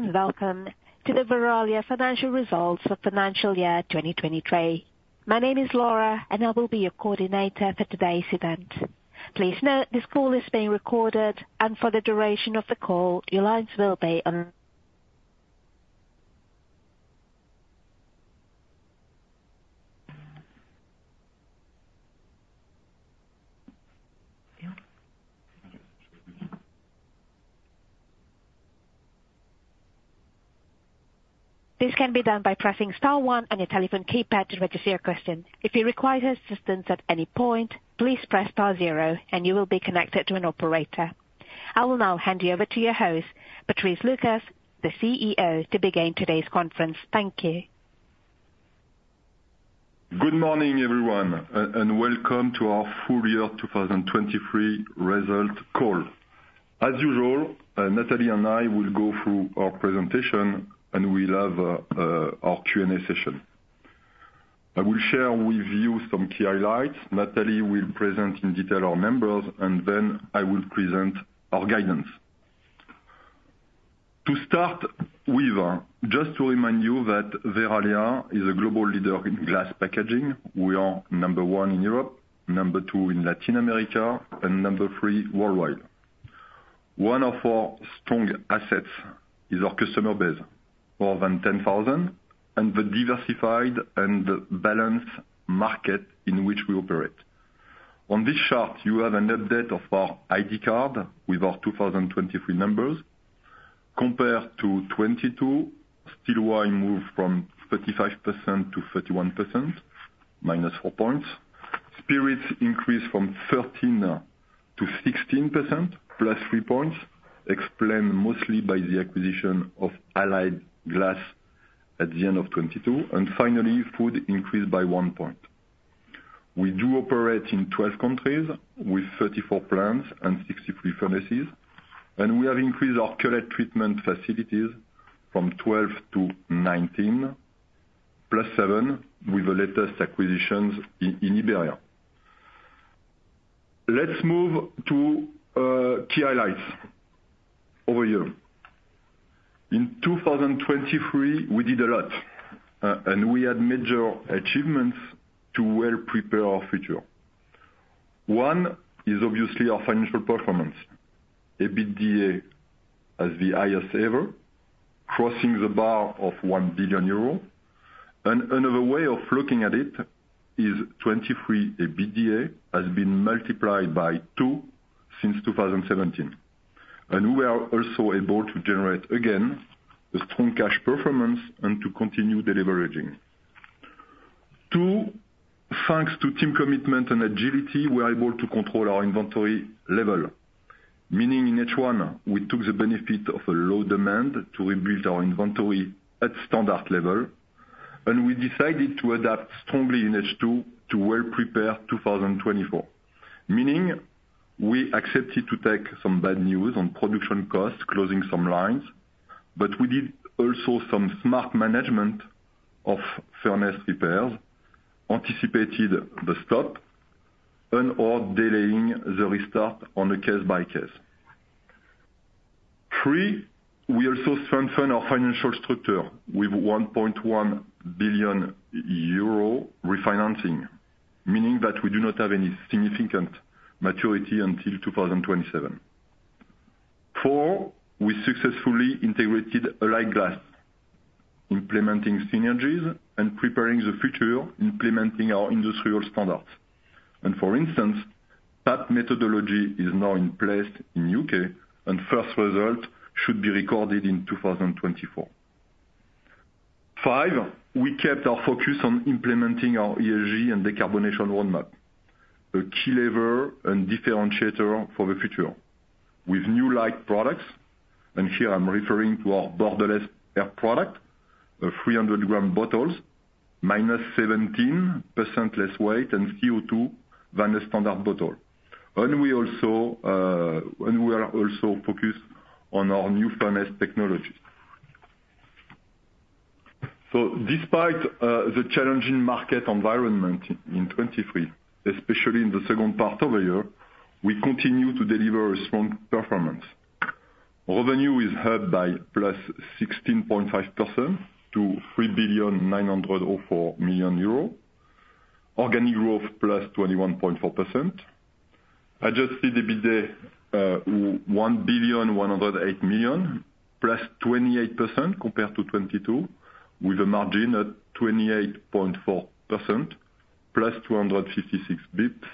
Welcome to the Verallia Financial Results for financial year 2023. My name is Laura and I will be your coordinator for today's event. Please note this call is being recorded and for the duration of the call your lines will be on. This can be done by pressing star one on your telephone keypad to register your question. If you require assistance at any point please press star zero and you will be connected to an operator. I will now hand you over to your host, Patrice Lucas, the CEO, to begin today's conference. Thank you. Good morning everyone and welcome to our full year 2023 results call. As usual Nathalie and I will go through our presentation and we'll have our Q&A session. I will share with you some key highlights, Nathalie will present in detail our numbers and then I will present our guidance. To start with, just to remind you that Verallia is a global leader in glass packaging. We are number one in Europe, number two in Latin America, and number three worldwide. One of our strong assets is our customer base, more than 10,000, and the diversified and balanced market in which we operate. On this chart you have an update of our ID card with our 2023 numbers. Compared to 2022, still wine moved from 35% to 31%, minus four points. Spirits increased from 13% to 16%, plus three points, explained mostly by the acquisition of Allied Glass at the end of 2022, and finally food increased by one point. We do operate in 12 countries with 34 plants and 63 furnaces, and we have increased our cullet treatment facilities from 12 to 19, plus seven with the latest acquisitions in Iberia. Let's move to key highlights. Over here. In 2023 we did a lot and we had major achievements to well prepare our future. One is obviously our financial performance. EBITDA has been highest ever, crossing the bar of 1 billion euro, and another way of looking at it is 2023 EBITDA has been multiplied by two since 2017, and we are also able to generate again a strong cash performance and to continue deleveraging. Two, thanks to team commitment and agility we are able to control our inventory level, meaning in H1 we took the benefit of a low demand to rebuild our inventory at standard level, and we decided to adapt strongly in H2 to well prepare 2024. Meaning we accepted to take some bad news on production costs, closing some lines, but we did also some smart management of furnace repairs, anticipated the stop, and/or delaying the restart on a case-by-case. Three, we also strengthened our financial structure with 1.1 billion euro refinancing, meaning that we do not have any significant maturity until 2027. Four, we successfully integrated Allied Glass, implementing synergies and preparing the future implementing our industrial standards. For instance, PAP methodology is now in place in the U.K. and first result should be recorded in 2024. Five, we kept our focus on implementing our ESG and decarbonization roadmap, a key lever and differentiator for the future. With new light products, and here I'm referring to our Bordelaise Air product, 300 g bottles, -17% less weight and CO2 than a standard bottle, and we are also focused on our new furnace technologies. So despite the challenging market environment in 2023, especially in the second part of the year, we continue to deliver a strong performance. Revenue is upped by +16.5% to 3.904 billion, organic growth +21.4%, adjusted EBITDA 1.108 billion, +28% compared to 2022 with a margin at 28.4%, +256 basis points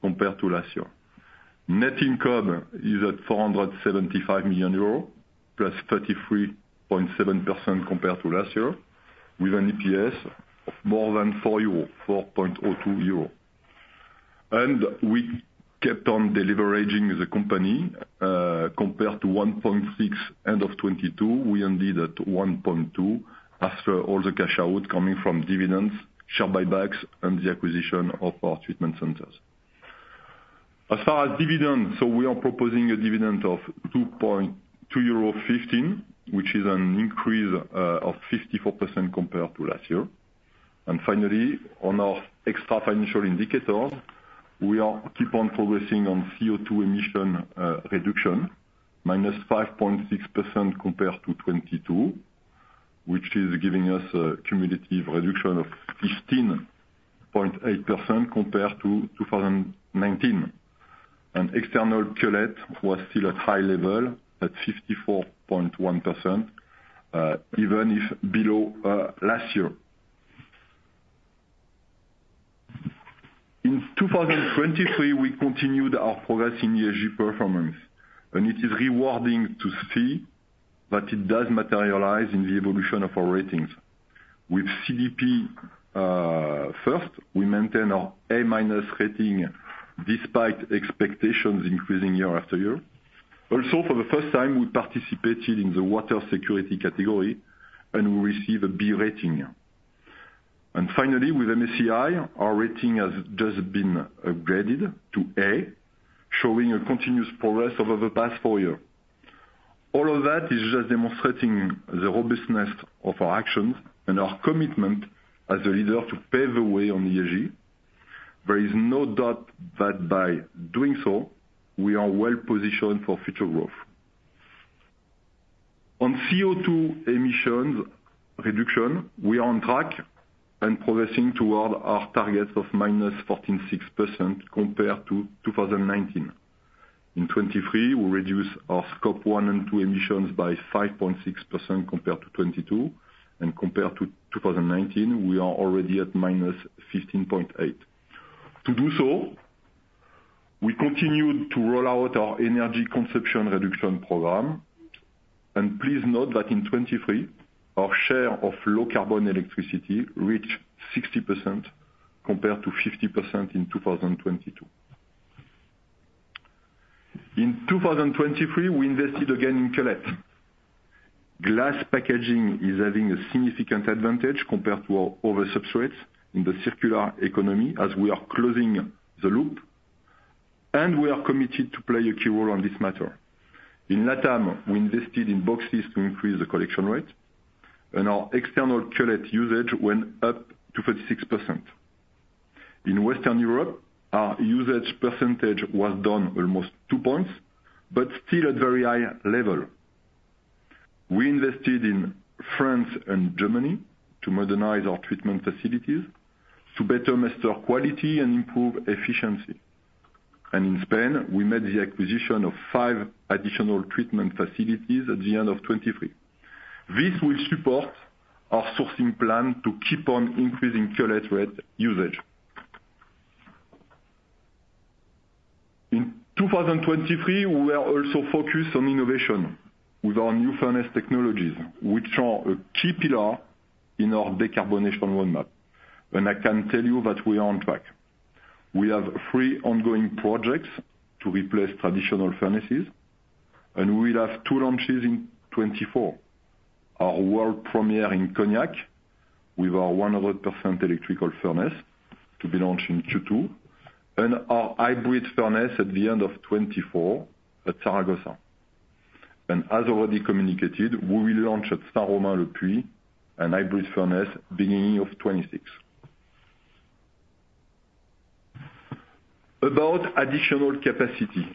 compared to last year. Net income is at 475 million euros, +33.7% compared to last year with an EPS of more than 4 euro, 4.02 euro. We kept on deleveraging the company. Compared to 1.6 end of 2022, we ended at 1.2 after all the cash out coming from dividends, share buybacks, and the acquisition of our treatment centers. As far as dividends, so we are proposing a dividend of 2.215 euro, which is an increase of 54% compared to last year. Finally, on our extrafinancial indicators, we keep on progressing on CO2 emission reduction, -5.6% compared to 2022, which is giving us a cumulative reduction of 15.8% compared to 2019. External cullet was still at high level at 54.1%, even if below last year. In 2023 we continued our progress in ESG performance, and it is rewarding to see that it does materialize in the evolution of our ratings. With CDP first, we maintain our A- rating despite expectations increasing year after year. Also for the first time we participated in the water security category and we received a B rating. Finally with MSCI our rating has just been upgraded to A, showing a continuous progress over the past four years. All of that is just demonstrating the robustness of our actions and our commitment as a leader to pave the way on ESG. There is no doubt that by doing so we are well-positioned for future growth. On CO2 emissions reduction, we are on track and progressing toward our targets of -14.6% compared to 2019. In 2023 we reduced our Scope 1 and 2 emissions by 5.6% compared to 2022, and compared to 2019 we are already at -15.8%. To do so, we continued to roll out our energy consumption reduction program, and please note that in 2023 our share of low-carbon electricity reached 60% compared to 50% in 2022. In 2023 we invested again in cullet. Glass packaging is having a significant advantage compared to our other substrates in the circular economy as we are closing the loop, and we are committed to play a key role on this matter. In LATAM we invested in boxes to increase the collection rate, and our external cullet usage went up to 36%. In Western Europe our usage percentage was down almost two points, but still at very high level. We invested in France and Germany to modernize our treatment facilities to better master quality and improve efficiency. In Spain we made the acquisition of five additional treatment facilities at the end of 2023. This will support our sourcing plan to keep on increasing cullet rate usage. In 2023 we are also focused on innovation with our new furnace technologies, which are a key pillar in our decarbonation roadmap, and I can tell you that we are on track. We have three ongoing projects to replace traditional furnaces, and we will have two launches in 2024. Our world premiere in Cognac with our 100% electrical furnace to be launched in Q2, and our hybrid furnace at the end of 2024 at Zaragoza. As already communicated, we will launch at Saint-Romain-le-Puy a hybrid furnace beginning of 2026. About additional capacity.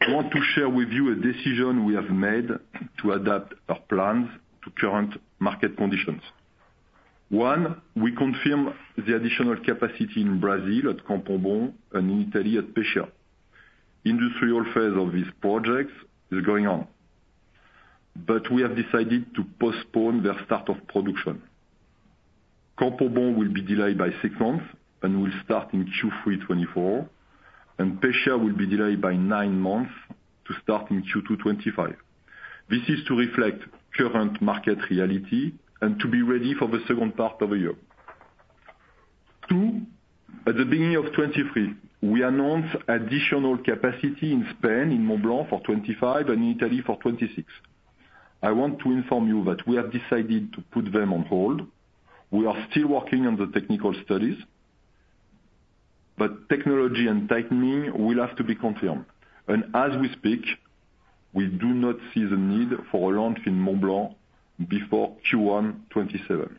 I want to share with you a decision we have made to adapt our plans to current market conditions. One, we confirm the additional capacity in Brazil at Campo Bom and in Italy at Pescia. Industrial phase of these projects is going on, but we have decided to postpone their start of production. Campo Bom will be delayed by six months and will start in Q3 2024, and Pescia will be delayed by nine months to start in Q2 2025. This is to reflect current market reality and to be ready for the second part of the year. Two, at the beginning of 2023 we announced additional capacity in Spain, in Montblanc for 2025 and in Italy for 2026. I want to inform you that we have decided to put them on hold. We are still working on the technical studies, but technology and tightening will have to be confirmed, and as we speak we do not see the need for a launch in Montblanc before Q1 2027.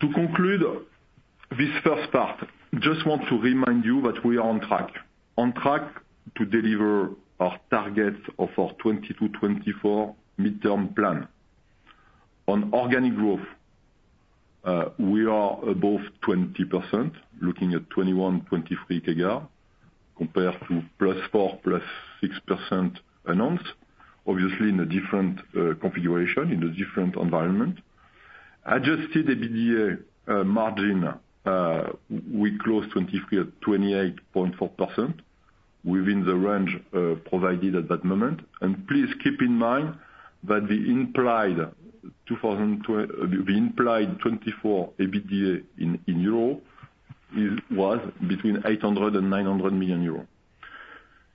To conclude this first part, just want to remind you that we are on track. On track to deliver our targets of our 2022-2024 midterm plan. On organic growth, we are above 20%, looking at 21%-23% compared to +4, +6% announced, obviously in a different configuration, in a different environment. Adjusted EBITDA margin, we closed 2023 at 28.4%, within the range provided at that moment, and please keep in mind that the implied 2024 EBITDA in EUR was between 800 million euro and 900 million euro.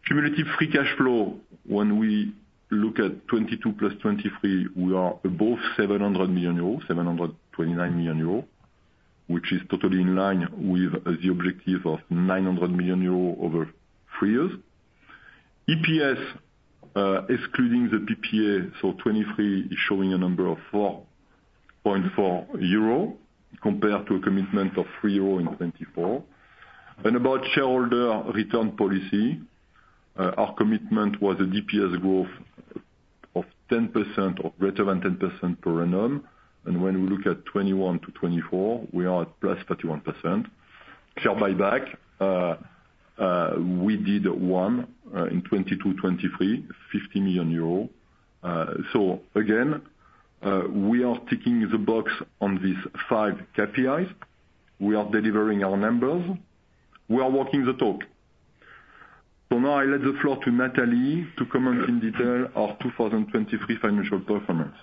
Cumulative free cash flow, when we look at 2022 + 2023 we are above 700 million euros, 729 million euros, which is totally in line with the objective of 900 million euros over three years. EPS excluding the PPA, so 2023 is showing a number of 4.4 euro compared to a commitment of 3 euro in 2024. About shareholder return policy, our commitment was a DPS growth of 10%, of greater than 10% per annum, and when we look at 2021-2024 we are at +31%. Share buyback, we did one in 2022-2023, EUR 50 million. So again, we are ticking the box on these five KPIs. We are delivering our numbers. We are walking the talk. So now I let the floor to Nathalie to comment in detail our 2023 financial performance.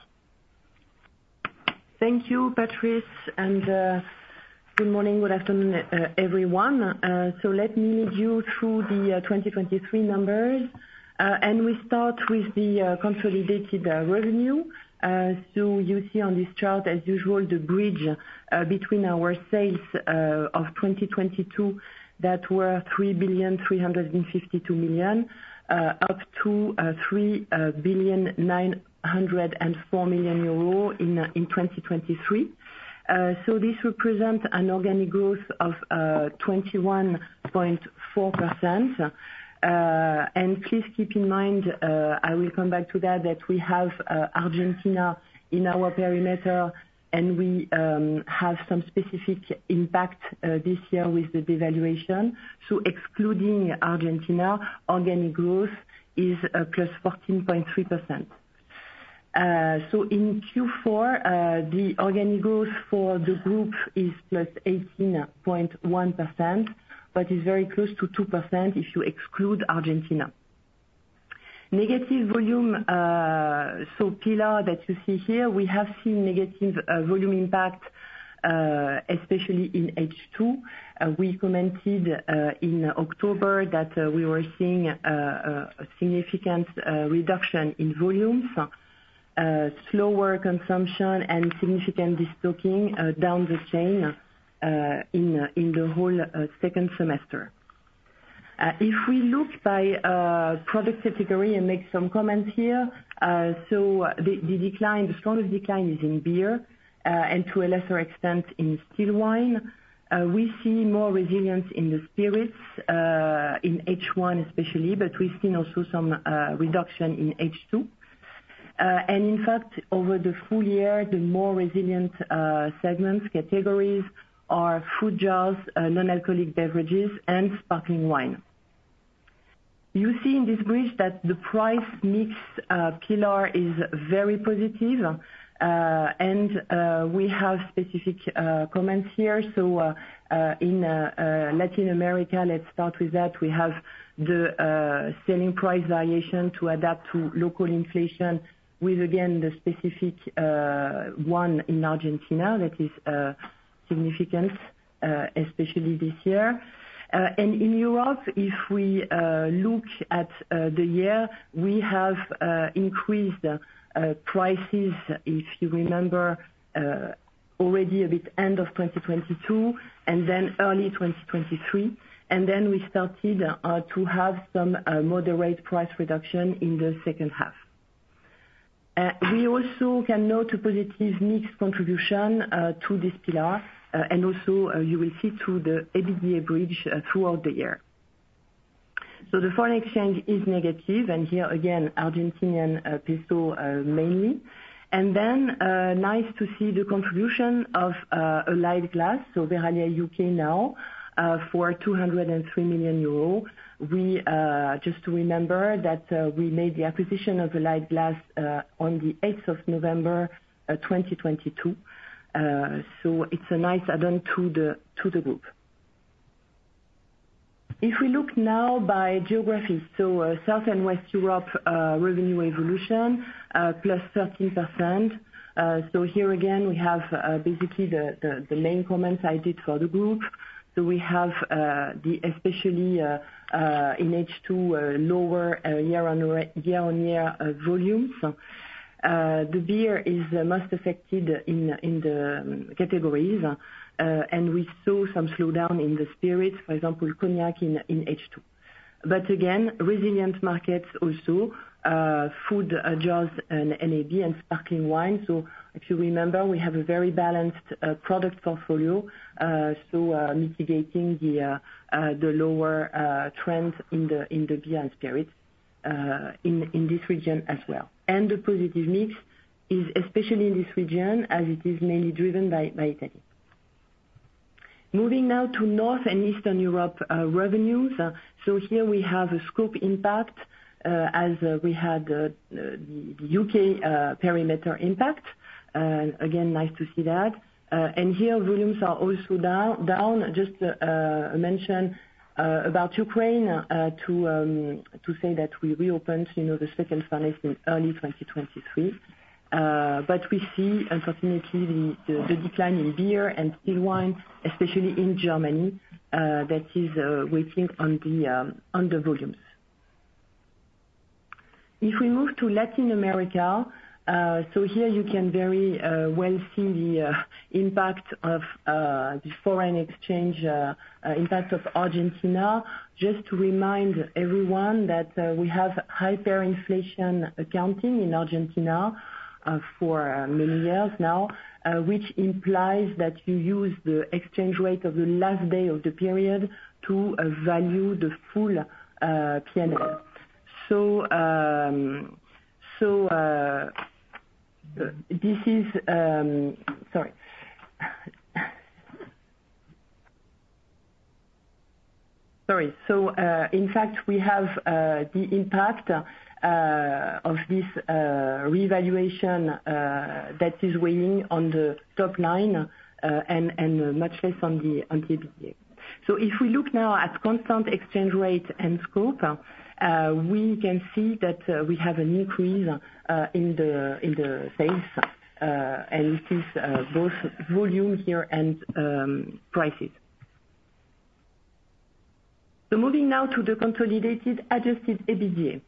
Thank you, Patrice, and good morning, good afternoon, everyone. So let me lead you through the 2023 numbers, and we start with the consolidated revenue. So you see on this chart, as usual, the bridge between our sales of 2022 that were 3,352 million up to 3,904 million euro in 2023. So this represents an organic growth of 21.4%, and please keep in mind, I will come back to that, that we have Argentina in our perimeter and we have some specific impact this year with the devaluation. So excluding Argentina, organic growth is +14.3%. So in Q4, the organic growth for the group is +18.1%, but is very close to 2% if you exclude Argentina. Negative volume, so pillar that you see here, we have seen negative volume impact, especially in H2. We commented in October that we were seeing a significant reduction in volumes, slower consumption, and significant destocking down the chain in the whole second semester. If we look by product category and make some comments here, so the decline, the strongest decline is in beer and to a lesser extent in still wine. We see more resilience in the spirits, in H1 especially, but we've seen also some reduction in H2. In fact, over the full year, the more resilient segments, categories are food jars, non-alcoholic beverages, and sparkling wine. You see in this bridge that the price mix pillar is very positive, and we have specific comments here. In Latin America, let's start with that, we have the selling price variation to adapt to local inflation with, again, the specific one in Argentina that is significant, especially this year. In Europe, if we look at the year, we have increased prices, if you remember, already a bit end of 2022 and then early 2023, and then we started to have some moderate price reduction in the second half. We also can note a positive mixed contribution to this pillar, and also you will see to the EBITDA bridge throughout the year. So the foreign exchange is negative, and here again, Argentine peso mainly. And then nice to see the contribution of Allied Glass, so Verallia U.K. now, for 203 million euros. Just to remember that we made the acquisition of Allied Glass on the 8th of November 2022, so it's a nice add-on to the group. If we look now by geography, so South and West Europe revenue evolution, +13%. So here again we have basically the main comments I did for the group. So we have the, especially in H2, lower year-on-year volumes. The beer is the most affected in the categories, and we saw some slowdown in the spirits, for example, Cognac in H2. But again, resilient markets also: food jars and NAB, and sparkling wine. So if you remember, we have a very balanced product portfolio, so mitigating the lower trend in the beer and spirits in this region as well. And the positive mix is especially in this region as it is mainly driven by Italy. Moving now to North and Eastern Europe revenues, so here we have a scope impact as we had the U.K. perimeter impact, and again, nice to see that. And here volumes are also down. Just to mention about Ukraine, to say that we reopened the second furnace in early 2023, but we see, unfortunately, the decline in beer and still wine, especially in Germany, that is weighing on the volumes. If we move to Latin America, so here you can very well see the impact of the foreign exchange impact of Argentina. Just to remind everyone that we have hyperinflation accounting in Argentina for many years now, which implies that you use the exchange rate of the last day of the period to value the full PNL. So in fact, we have the impact of this revaluation that is weighing on the top line and much less on the EBITDA. So if we look now at constant exchange rate and scope, we can see that we have an increase in the sales, and this is both volume here and prices. So moving now to the consolidated adjusted EBITDA.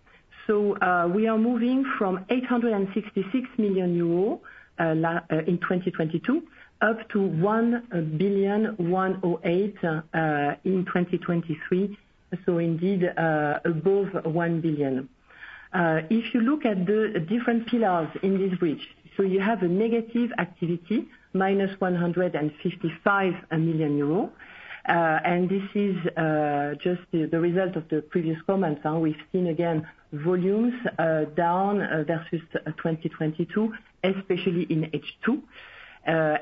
So we are moving from 866 million euro in 2022 up to 1,108,000,000 in 2023, so indeed above 1 billion. If you look at the different pillars in this bridge, so you have a negative activity, -155 million euros, and this is just the result of the previous comments. We've seen again volumes down versus 2022, especially in H2,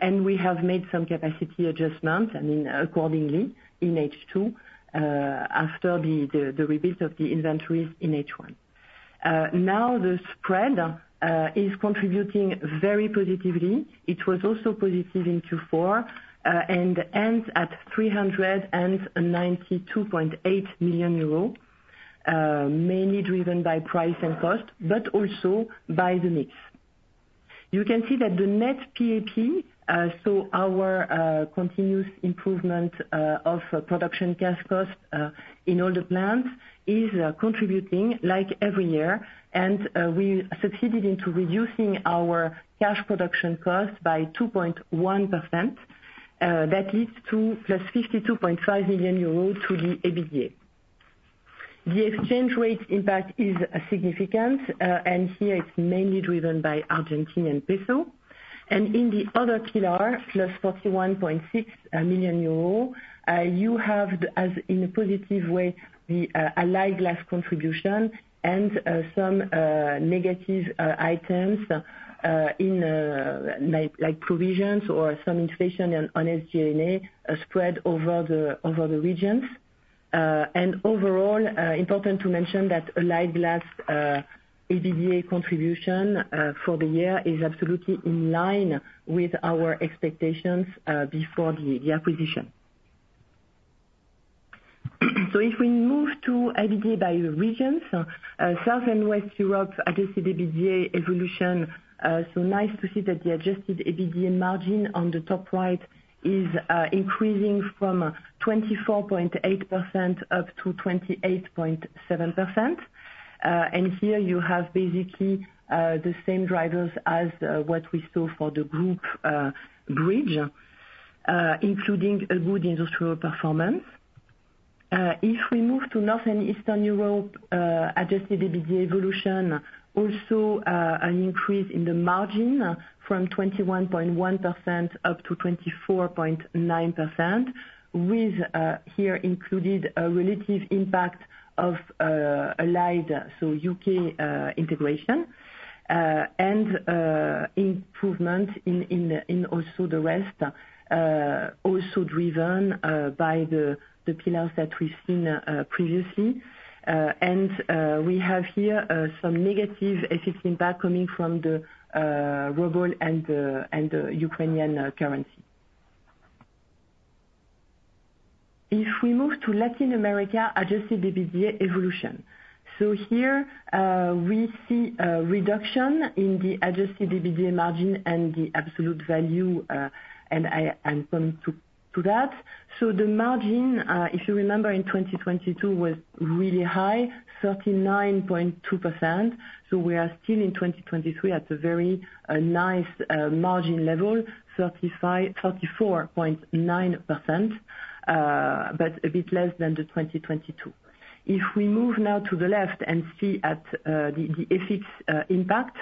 and we have made some capacity adjustments, I mean, accordingly in H2 after the rebuild of the inventories in H1. Now the spread is contributing very positively. It was also positive in Q4 and ends at 392.8 million euros, mainly driven by price and cost, but also by the mix. You can see that the net PAP, so our continuous improvement of production cash cost in all the plants, is contributing like every year, and we succeeded in reducing our cash production cost by 2.1%. That leads to +52.5 million euros to the EBITDA. The exchange rate impact is significant, and here it's mainly driven by Argentine peso. In the other pillar, +41.6 million euros, you have, in a positive way, the Allied Glass contribution and some negative items like provisions or some inflation on SG&A spread over the regions. Overall, important to mention that Allied Glass EBITDA contribution for the year is absolutely in line with our expectations before the acquisition. If we move to EBITDA by regions, South and West Europe adjusted EBITDA evolution, so nice to see that the adjusted EBITDA margin on the top right is increasing from 24.8% up to 28.7%, and here you have basically the same drivers as what we saw for the group bridge, including a good industrial performance. If we move to North and Eastern Europe, adjusted EBITDA evolution, also an increase in the margin from 21.1% up to 24.9%, with here included a relative impact of Allied, so U.K. integration, and improvement in also the rest, also driven by the pillars that we've seen previously. And we have here some negative effects impact coming from the ruble and the Ukrainian currency. If we move to Latin America, adjusted EBITDA evolution, so here we see a reduction in the adjusted EBITDA margin and the absolute value, and I'll come to that. So the margin, if you remember, in 2022 was really high, 39.2%, so we are still in 2023 at a very nice margin level, 34.9%, but a bit less than the 2022. If we move now to the left and see at the FX impact,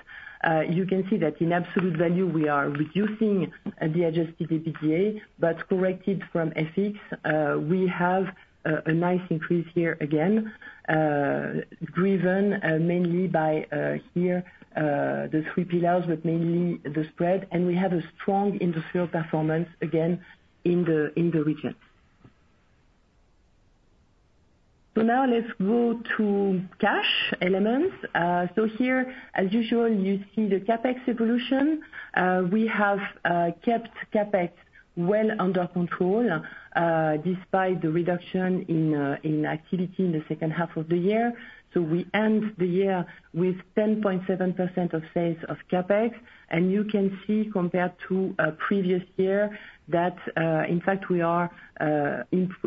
you can see that in absolute value we are reducing the adjusted EBITDA, but corrected from FX we have a nice increase here again, driven mainly by here the three pillars, but mainly the spread, and we have a strong industrial performance, again, in the region. So now let's go to cash elements. So here, as usual, you see the CapEx evolution. We have kept CapEx well under control despite the reduction in activity in the second half of the year. So we end the year with 10.7% of sales of CapEx, and you can see compared to previous year that, in fact, we are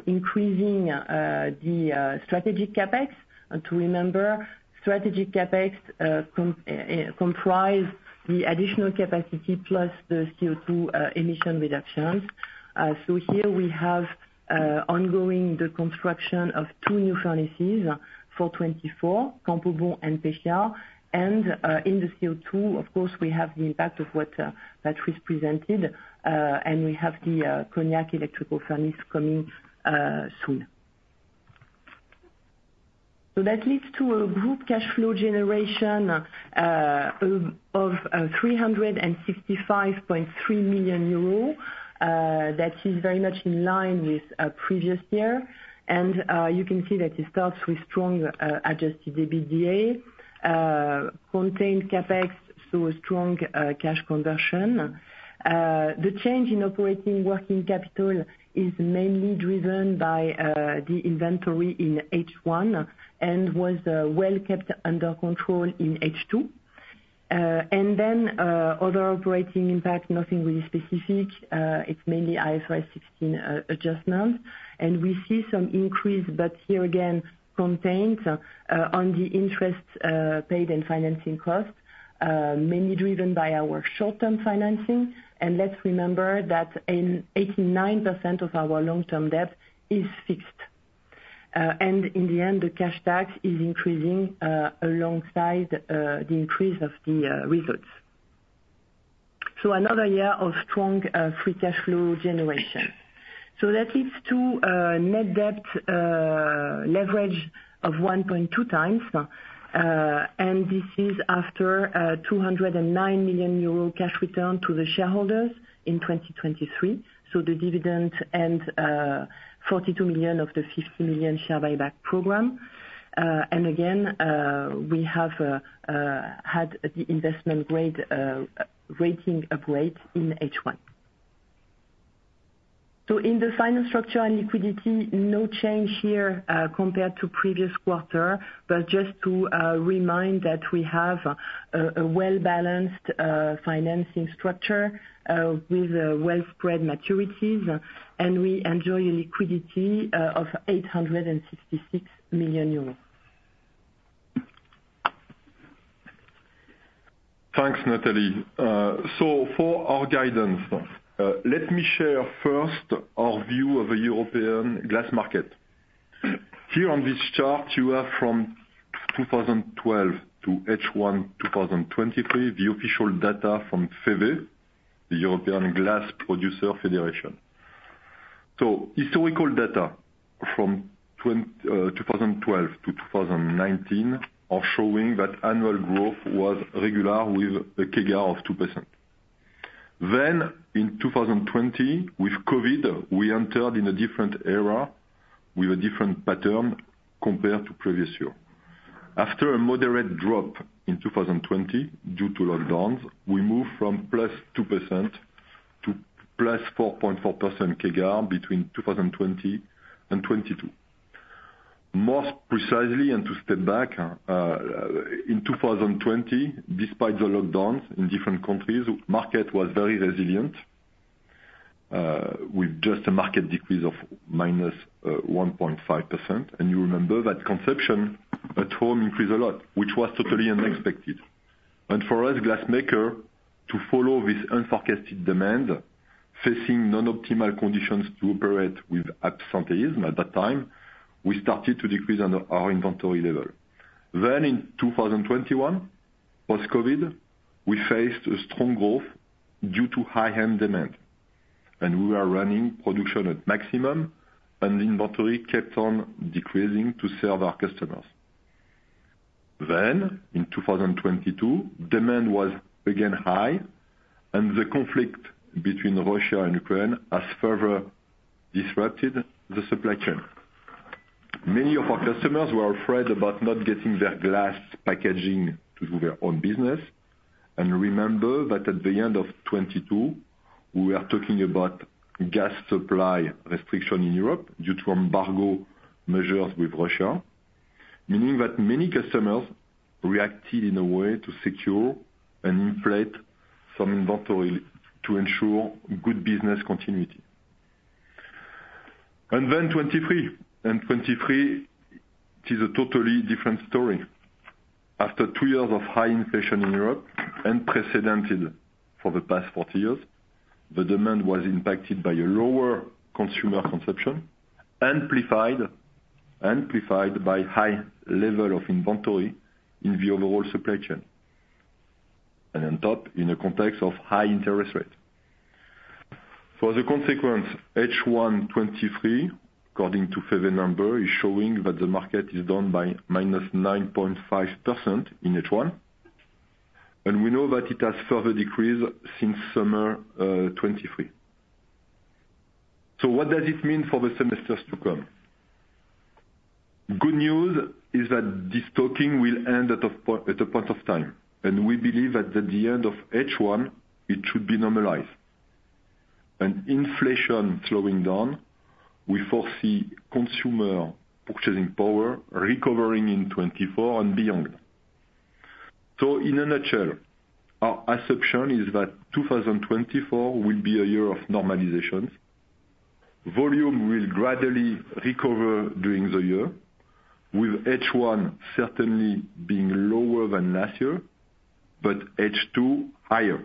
increasing the strategic CapEx. And to remember, strategic CapEx comprise the additional capacity plus the CO2 emission reductions. So here we have ongoing the construction of two new furnaces for 2024, Campo Bom and Pescia, and in the CO2, of course, we have the impact of what Patrice presented, and we have the Cognac electrical furnace coming soon. So that leads to a group cash flow generation of 365.3 million euros. That is very much in line with previous year, and you can see that it starts with strong adjusted EBITDA, contained CapEx, so a strong cash conversion. The change in operating working capital is mainly driven by the inventory in H1 and was well kept under control in H2. And then other operating impact, nothing really specific. It's mainly IFRS 16 adjustment, and we see some increase, but here again, contained on the interest paid and financing cost, mainly driven by our short-term financing. And let's remember that 89% of our long-term debt is fixed. In the end, the cash tax is increasing alongside the increase of the results. Another year of strong free cash flow generation. That leads to net debt leverage of 1.2x and this is after 209 million euro cash return to the shareholders in 2023, so the dividend and 42 million of the 50 million share buyback program. Again, we have had the investment rating upgrade in H1. In the finance structure and liquidity, no change here compared to previous quarter, but just to remind that we have a well-balanced financing structure with well-spread maturities, and we enjoy a liquidity of 866 million euros. Thanks, Nathalie. For our guidance, let me share first our view of the European glass market. Here on this chart, you have from 2012 to H1 2023, the official data from FEVE, the European Glass Producer Federation. So historical data from 2012 to 2019 are showing that annual growth was regular with a CAGR of 2%. Then in 2020, with COVID, we entered in a different era with a different pattern compared to previous year. After a moderate drop in 2020 due to lockdowns, we moved from +2% to +4.4% CAGR between 2020 and 2022. More precisely, and to step back, in 2020, despite the lockdowns in different countries, the market was very resilient with just a market decrease of -1.5%. And you remember that consumption at home increased a lot, which was totally unexpected. And for us glassmakers, to follow this unforecasted demand, facing non-optimal conditions to operate with absenteeism at that time, we started to decrease our inventory level. Then in 2021, post-COVID, we faced a strong growth due to high-end demand, and we were running production at maximum, and the inventory kept on decreasing to serve our customers. Then in 2022, demand was again high, and the conflict between Russia and Ukraine has further disrupted the supply chain. Many of our customers were afraid about not getting their glass packaging to do their own business, and remember that at the end of 2022, we were talking about gas supply restriction in Europe due to embargo measures with Russia, meaning that many customers reacted in a way to secure and inflate some inventory to ensure good business continuity. And then 2023. And 2023, it is a totally different story. After two years of high inflation in Europe, unprecedented for the past 40 years, the demand was impacted by a lower consumer confidence, amplified by high level of inventory in the overall supply chain, and on top in a context of high interest rates. As a consequence, H1 2023, according to FEVE number, is showing that the market is down by -9.5% in H1, and we know that it has further decreased since summer 2023. So what does it mean for the semesters to come? Good news is that destocking will end at a point of time, and we believe that at the end of H1, it should be normalized. And inflation slowing down, we foresee consumer purchasing power recovering in 2024 and beyond. So in a nutshell, our assumption is that 2024 will be a year of normalization. Volume will gradually recover during the year, with H1 certainly being lower than last year, but H2 higher.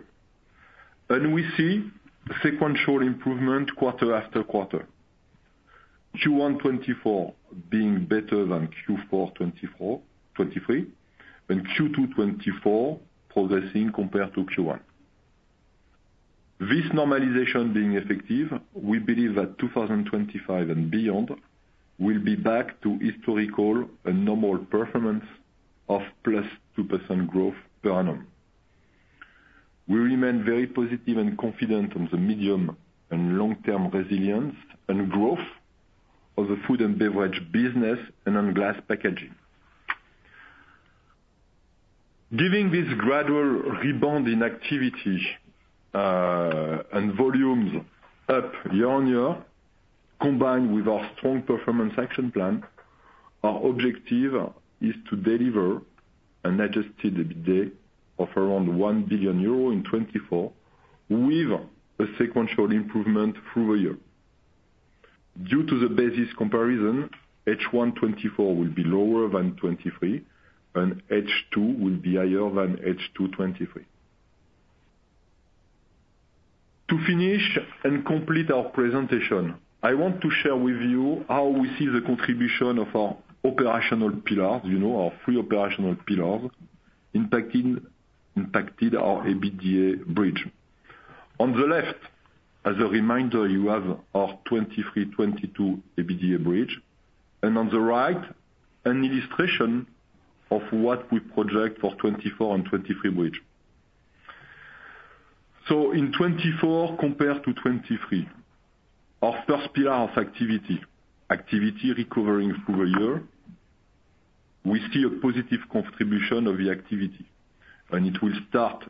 We see sequential improvement quarter after quarter, Q1 2024 being better than Q4 2023, and Q2 2024 progressing compared to Q1. This normalization being effective, we believe that 2025 and beyond will be back to historical and normal performance of +2% growth per annum. We remain very positive and confident on the medium and long-term resilience and growth of the food and beverage business and on glass packaging. Giving this gradual rebound in activity and volumes up year-on-year, combined with our strong performance action plan, our objective is to deliver an adjusted EBITDA of around 1 billion euro in 2024 with a sequential improvement through the year. Due to the basis comparison, H1 2024 will be lower than 2023, and H2 will be higher than H2 2023. To finish and complete our presentation, I want to share with you how we see the contribution of our operational pillars, our three operational pillars, impacted our EBITDA bridge. On the left, as a reminder, you have our 2023-2022 EBITDA bridge, and on the right, an illustration of what we project for 2024 and 2023 bridge. So in 2024 compared to 2023, our first pillar of activity, activity recovering through the year, we see a positive contribution of the activity, and it will start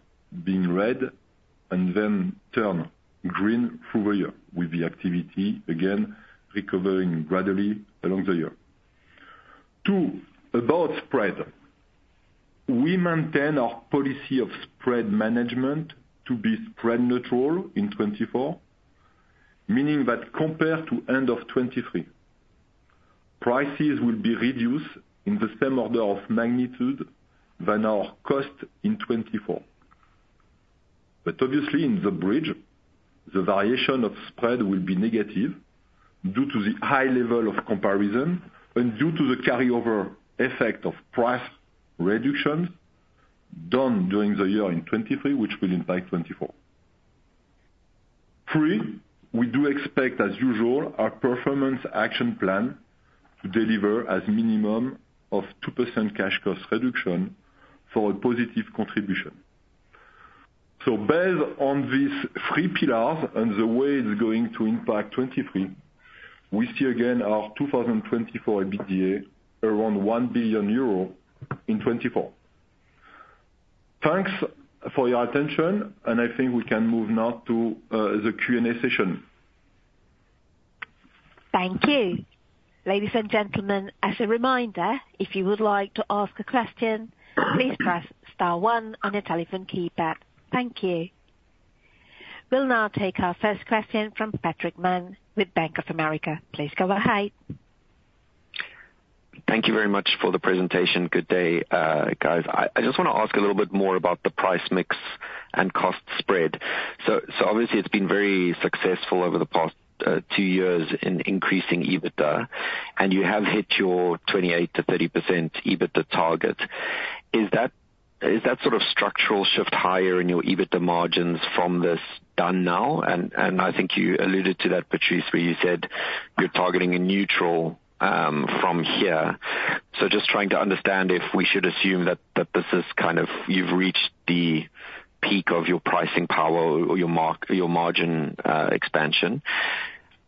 being red and then turn green through the year with the activity, again, recovering gradually along the year. To about spread, we maintain our policy of spread management to be spread neutral in 2024, meaning that compared to end of 2023, prices will be reduced in the same order of magnitude than our cost in 2024. But obviously, in the bridge, the variation of spread will be negative due to the high level of comparison and due to the carryover effect of price reductions done during the year in 2023, which will impact 2024. Three, we do expect, as usual, our performance action plan to deliver as minimum of 2% cash cost reduction for a positive contribution. So based on these three pillars and the way it's going to impact 2023, we see again our 2024 EBITDA around 1 billion euro in 2024. Thanks for your attention, and I think we can move now to the Q&A session. Thank you. Ladies and gentlemen, as a reminder, if you would like to ask a question, please press star one on your telephone keypad. Thank you. We'll now take our first question from Patrick Mann with Bank of America. Please go ahead. Thank you very much for the presentation. Good day, guys. I just want to ask a little bit more about the price mix and cost spread. So obviously, it's been very successful over the past two years in increasing EBITDA, and you have hit your 28%-30% EBITDA target. Is that sort of structural shift higher in your EBITDA margins from this done now? And I think you alluded to that, Patrice, where you said you're targeting a neutral from here. So just trying to understand if we should assume that this is kind of you've reached the peak of your pricing power or your margin expansion.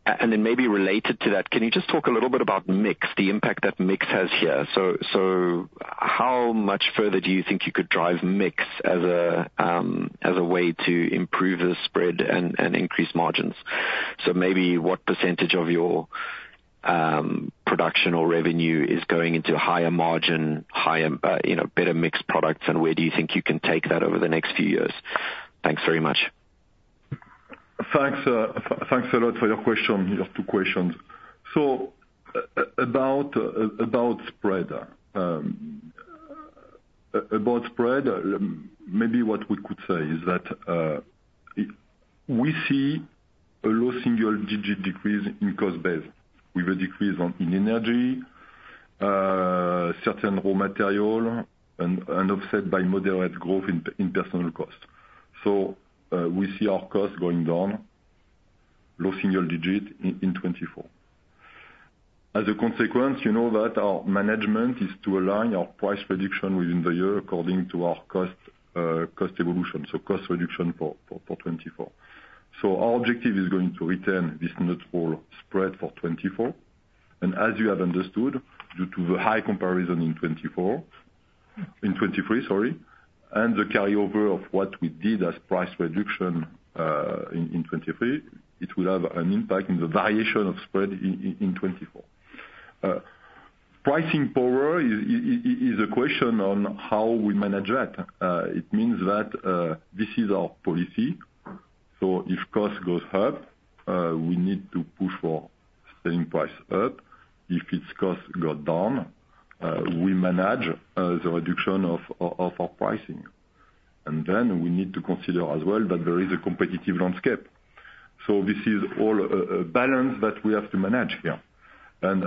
And then maybe related to that, can you just talk a little bit about mix, the impact that mix has here? How much further do you think you could drive mix as a way to improve the spread and increase margins? Maybe what percentage of your production or revenue is going into higher margin, better mixed products, and where do you think you can take that over the next few years? Thanks very much. Thanks a lot for your question, your two questions. So about spread, maybe what we could say is that we see a low single-digit decrease in cost base with a decrease in energy, certain raw materials, and offset by moderate growth in personal costs. So we see our costs going down, low single-digit in 2024. As a consequence, you know that our management is to align our price prediction within the year according to our cost evolution, so cost reduction for 2024. So our objective is going to retain this neutral spread for 2024. And as you have understood, due to the high comparison in 2023, sorry, and the carryover of what we did as price reduction in 2023, it will have an impact in the variation of spread in 2024. Pricing power is a question on how we manage that. It means that this is our policy. So if cost goes up, we need to push for selling price up. If its costs go down, we manage the reduction of our pricing. And then we need to consider as well that there is a competitive landscape. So this is all a balance that we have to manage here. And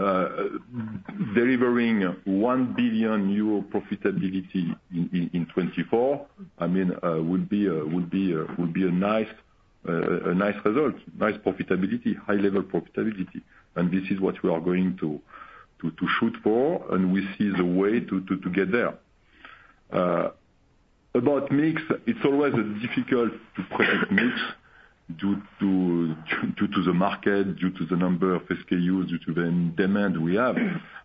delivering EUR 1 billion profitability in 2024, I mean, will be a nice result, nice profitability, high-level profitability. And this is what we are going to shoot for, and we see the way to get there. About mix, it's always difficult to predict mix due to the market, due to the number of SKUs, due to the demand we have.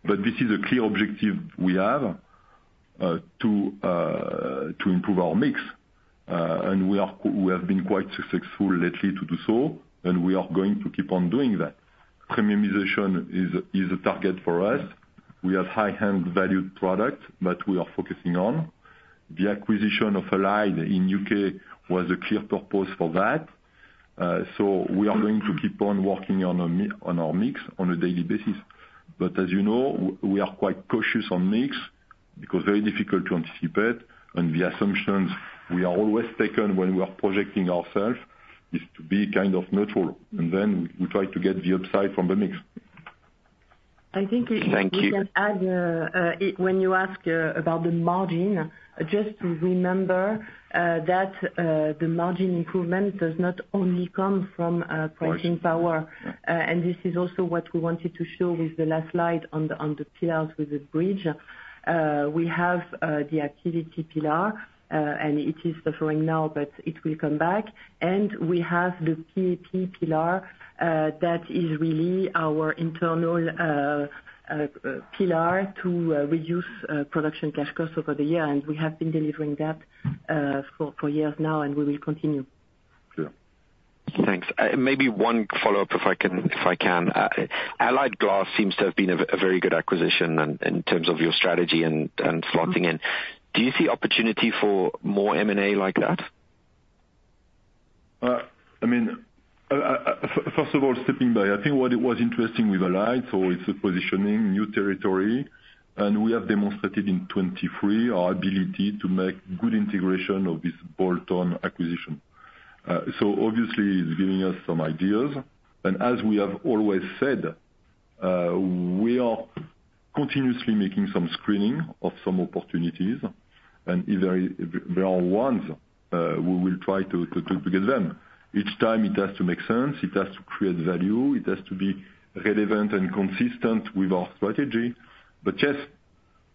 But this is a clear objective we have to improve our mix, and we have been quite successful lately to do so, and we are going to keep on doing that. Premiumization is a target for us. We have high-end valued products that we are focusing on. The acquisition of Allied in the U.K. was a clear purpose for that. We are going to keep on working on our mix on a daily basis. As you know, we are quite cautious on mix because it's very difficult to anticipate. The assumptions we are always taking when we are projecting ourselves is to be kind of neutral, and then we try to get the upside from the mix. I think we can add, when you ask about the margin, just to remember that the margin improvement does not only come from pricing power. And this is also what we wanted to show with the last slide on the pillars with the bridge. We have the activity pillar, and it is suffering now, but it will come back. And we have the PAP pillar that is really our internal pillar to reduce production cash costs over the year. And we have been delivering that for years now, and we will continue. Thanks. Maybe one follow-up if I can. Allied Glass seems to have been a very good acquisition in terms of your strategy and slotting in. Do you see opportunity for more M&A like that? I mean. First of all, stepping back, I think what was interesting with Allied, so it's a positioning, new territory, and we have demonstrated in 2023 our ability to make good integration of this bolt-on acquisition. So obviously, it's giving us some ideas. And as we have always said, we are continuously making some screening of some opportunities, and if there are ones, we will try to get them. Each time, it has to make sense. It has to create value. It has to be relevant and consistent with our strategy. But yes,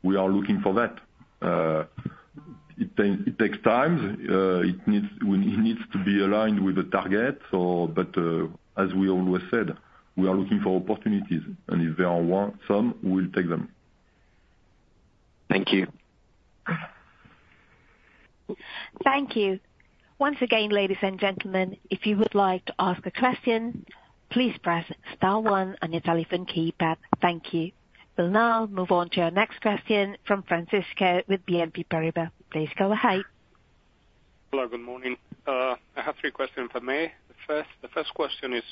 we are looking for that. It takes time. It needs to be aligned with a target. As we always said, we are looking for opportunities, and if there are some, we will take them. Thank you. Thank you. Once again, ladies and gentlemen, if you would like to ask a question, please press star one on your telephone keypad. Thank you. We'll now move on to our next question from Francisco with BNP Paribas. Please go ahead. Hello. Good morning. I have three questions, if I may. The first question is,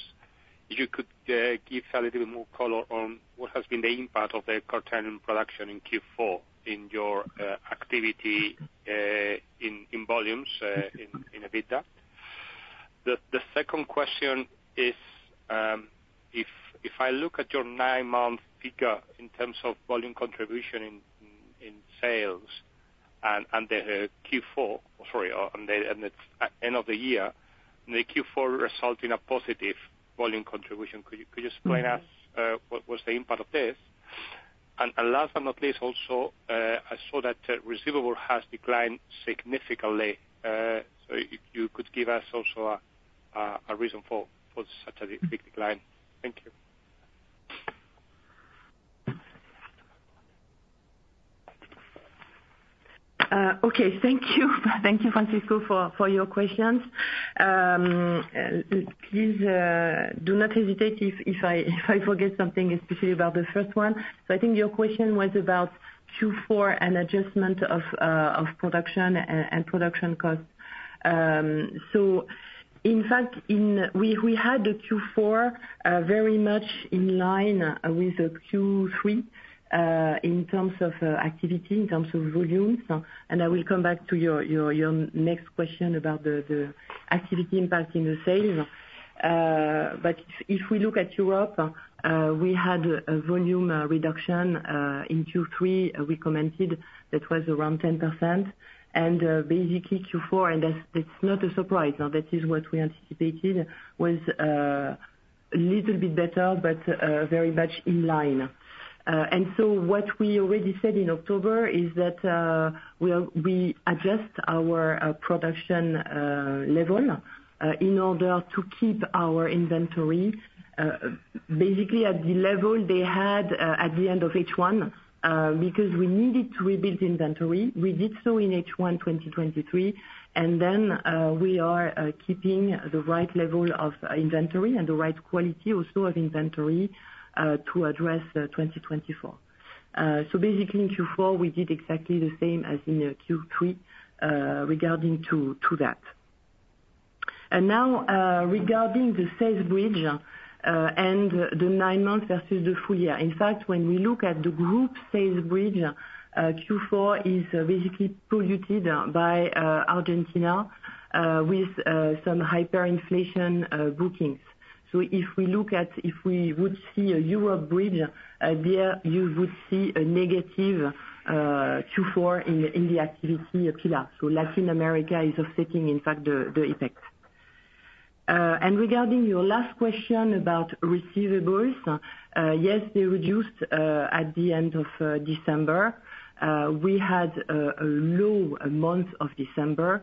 if you could give a little bit more color on what has been the impact of the curtailing production in Q4 in your activity in volumes in EBITDA. The second question is, if I look at your nine-month figure in terms of volume contribution in sales and the Q4 sorry, and at the end of the year, the Q4 result in a positive volume contribution, could you explain to us what was the impact of this? And last but not least, also, I saw that receivable has declined significantly. So if you could give us also a reason for such a big decline. Thank you. Okay. Thank you. Thank you, Francisco, for your questions. Please do not hesitate if I forget something, especially about the first one. So I think your question was about Q4 and adjustment of production and production costs. So in fact, we had the Q4 very much in line with the Q3 in terms of activity, in terms of volumes. And I will come back to your next question about the activity impact in the sales. But if we look at Europe, we had a volume reduction in Q3 we commented that was around 10%. And basically, Q4 and that's not a surprise. That is what we anticipated was a little bit better but very much in line. What we already said in October is that we adjust our production level in order to keep our inventory basically at the level they had at the end of H1 because we needed to rebuild inventory. We did so in H1 2023. We are keeping the right level of inventory and the right quality also of inventory to address 2024. So basically, in Q4, we did exactly the same as in Q3 regarding to that. Now regarding the sales bridge and the nine months versus the full year. In fact, when we look at the group sales bridge, Q4 is basically polluted by Argentina with some hyperinflation bookings. So if we look at if we would see a Europe bridge, there, you would see a negative Q4 in the activity pillar. So Latin America is offsetting, in fact, the effect. Regarding your last question about receivables, yes, they reduced at the end of December. We had a low month of December.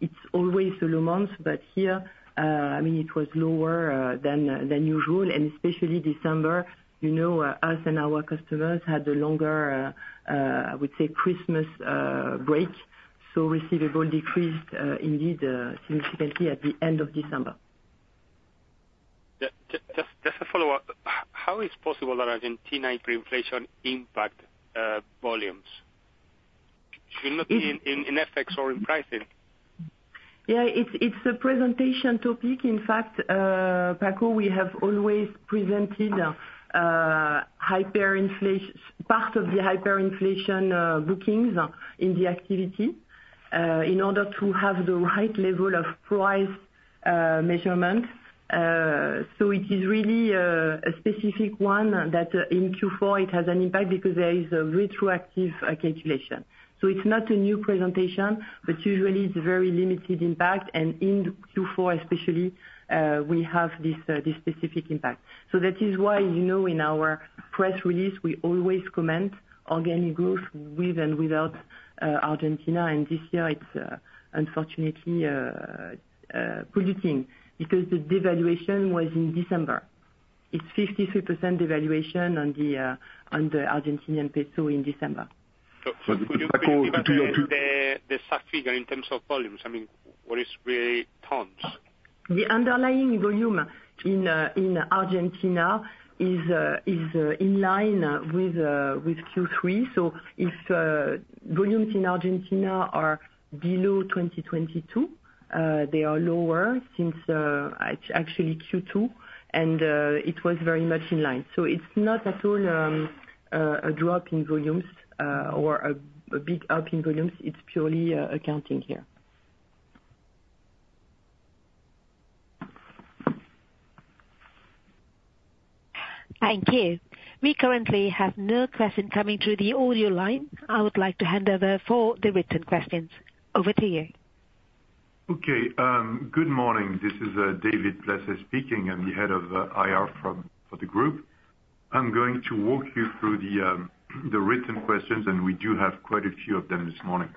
It's always a low month, but here, I mean, it was lower than usual. Especially December, us and our customers had the longer, I would say, Christmas break. Receivables decreased indeed significantly at the end of December. Just a follow-up. How is possible that Argentina hyperinflation impact volumes? Should it not be in effects or in pricing? Yeah. It's a presentation topic. In fact, Paco, we have always presented part of the hyperinflation bookings in the activity in order to have the right level of price measurement. So it is really a specific one that in Q4, it has an impact because there is a retroactive calculation. So it's not a new presentation, but usually, it's very limited impact. And in Q4, especially, we have this specific impact. So that is why in our press release, we always comment organic growth with and without Argentina. And this year, it's unfortunately polluting because the devaluation was in December. It's 53% devaluation on the Argentine peso in December. Could you give me the SAF figure in terms of volumes? I mean, what is really tons? The underlying volume in Argentina is in line with Q3. So if volumes in Argentina are below 2022, they are lower since actually Q2, and it was very much in line. So it's not at all a drop in volumes or a big up in volumes. It's purely accounting here. Thank you. We currently have no question coming through the audio line. I would like to hand over for the written questions. Over to you. Okay. Good morning. This is David Placet speaking. I'm the Head of IR for the group. I'm going to walk you through the written questions, and we do have quite a few of them this morning.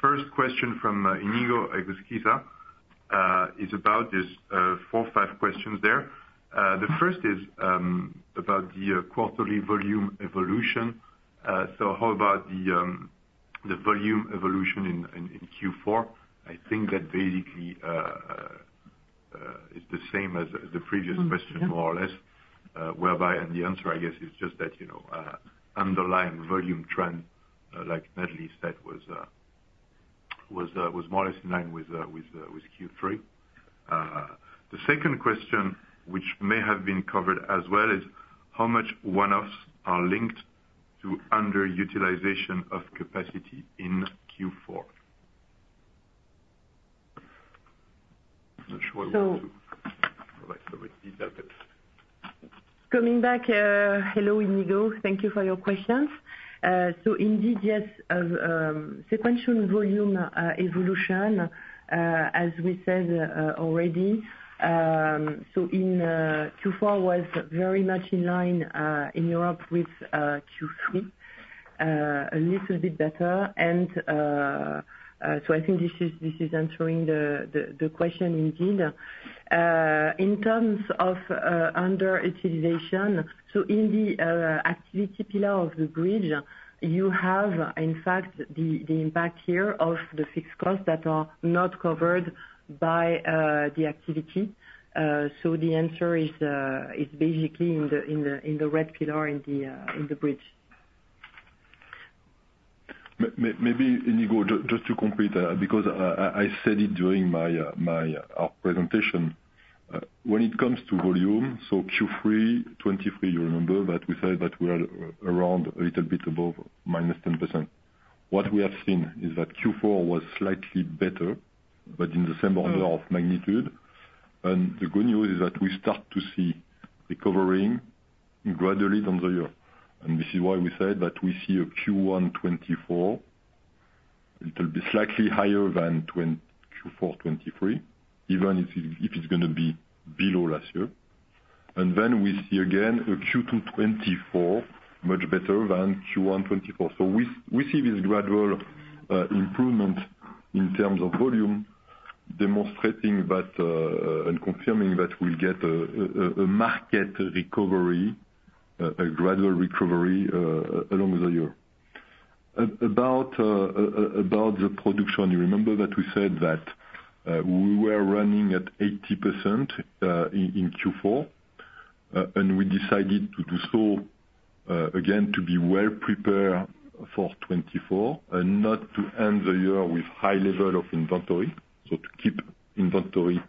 First question from Iñigo Eguzquiza is about these four, five questions there. The first is about the quarterly volume evolution. So how about the volume evolution in Q4? I think that basically is the same as the previous question, more or less, whereby and the answer, I guess, is just that underlying volume trend, like Nathalie said, was more or less in line with Q3. The second question, which may have been covered as well, is how much one-offs are linked to underutilization of capacity in Q4? I'm not sure I want to provide some detail, but. Coming back. Hello, Iñigo. Thank you for your questions. So indeed, yes, sequential volume evolution, as we said already. So Q4 was very much in line in Europe with Q3, a little bit better. And so I think this is answering the question indeed. In terms of underutilization, so in the activity pillar of the bridge, you have, in fact, the impact here of the fixed costs that are not covered by the activity. So the answer is basically in the red pillar in the bridge. Maybe, Iñigo, just to complete because I said it during our presentation. When it comes to volume, so Q3 2023, you remember that we said that we are around a little bit above -10%. What we have seen is that Q4 was slightly better, but in the same order of magnitude. The good news is that we start to see recovering gradually down the year. This is why we said that we see a Q1 2024 slightly higher than Q4 2023, even if it's going to be below last year. Then we see again a Q2 2024 much better than Q1 2024. We see this gradual improvement in terms of volume demonstrating and confirming that we'll get a market recovery, a gradual recovery along the year. About the production, you remember that we said that we were running at 80% in Q4, and we decided to do so again to be well prepared for 2024 and not to end the year with high level of inventory, so to keep inventory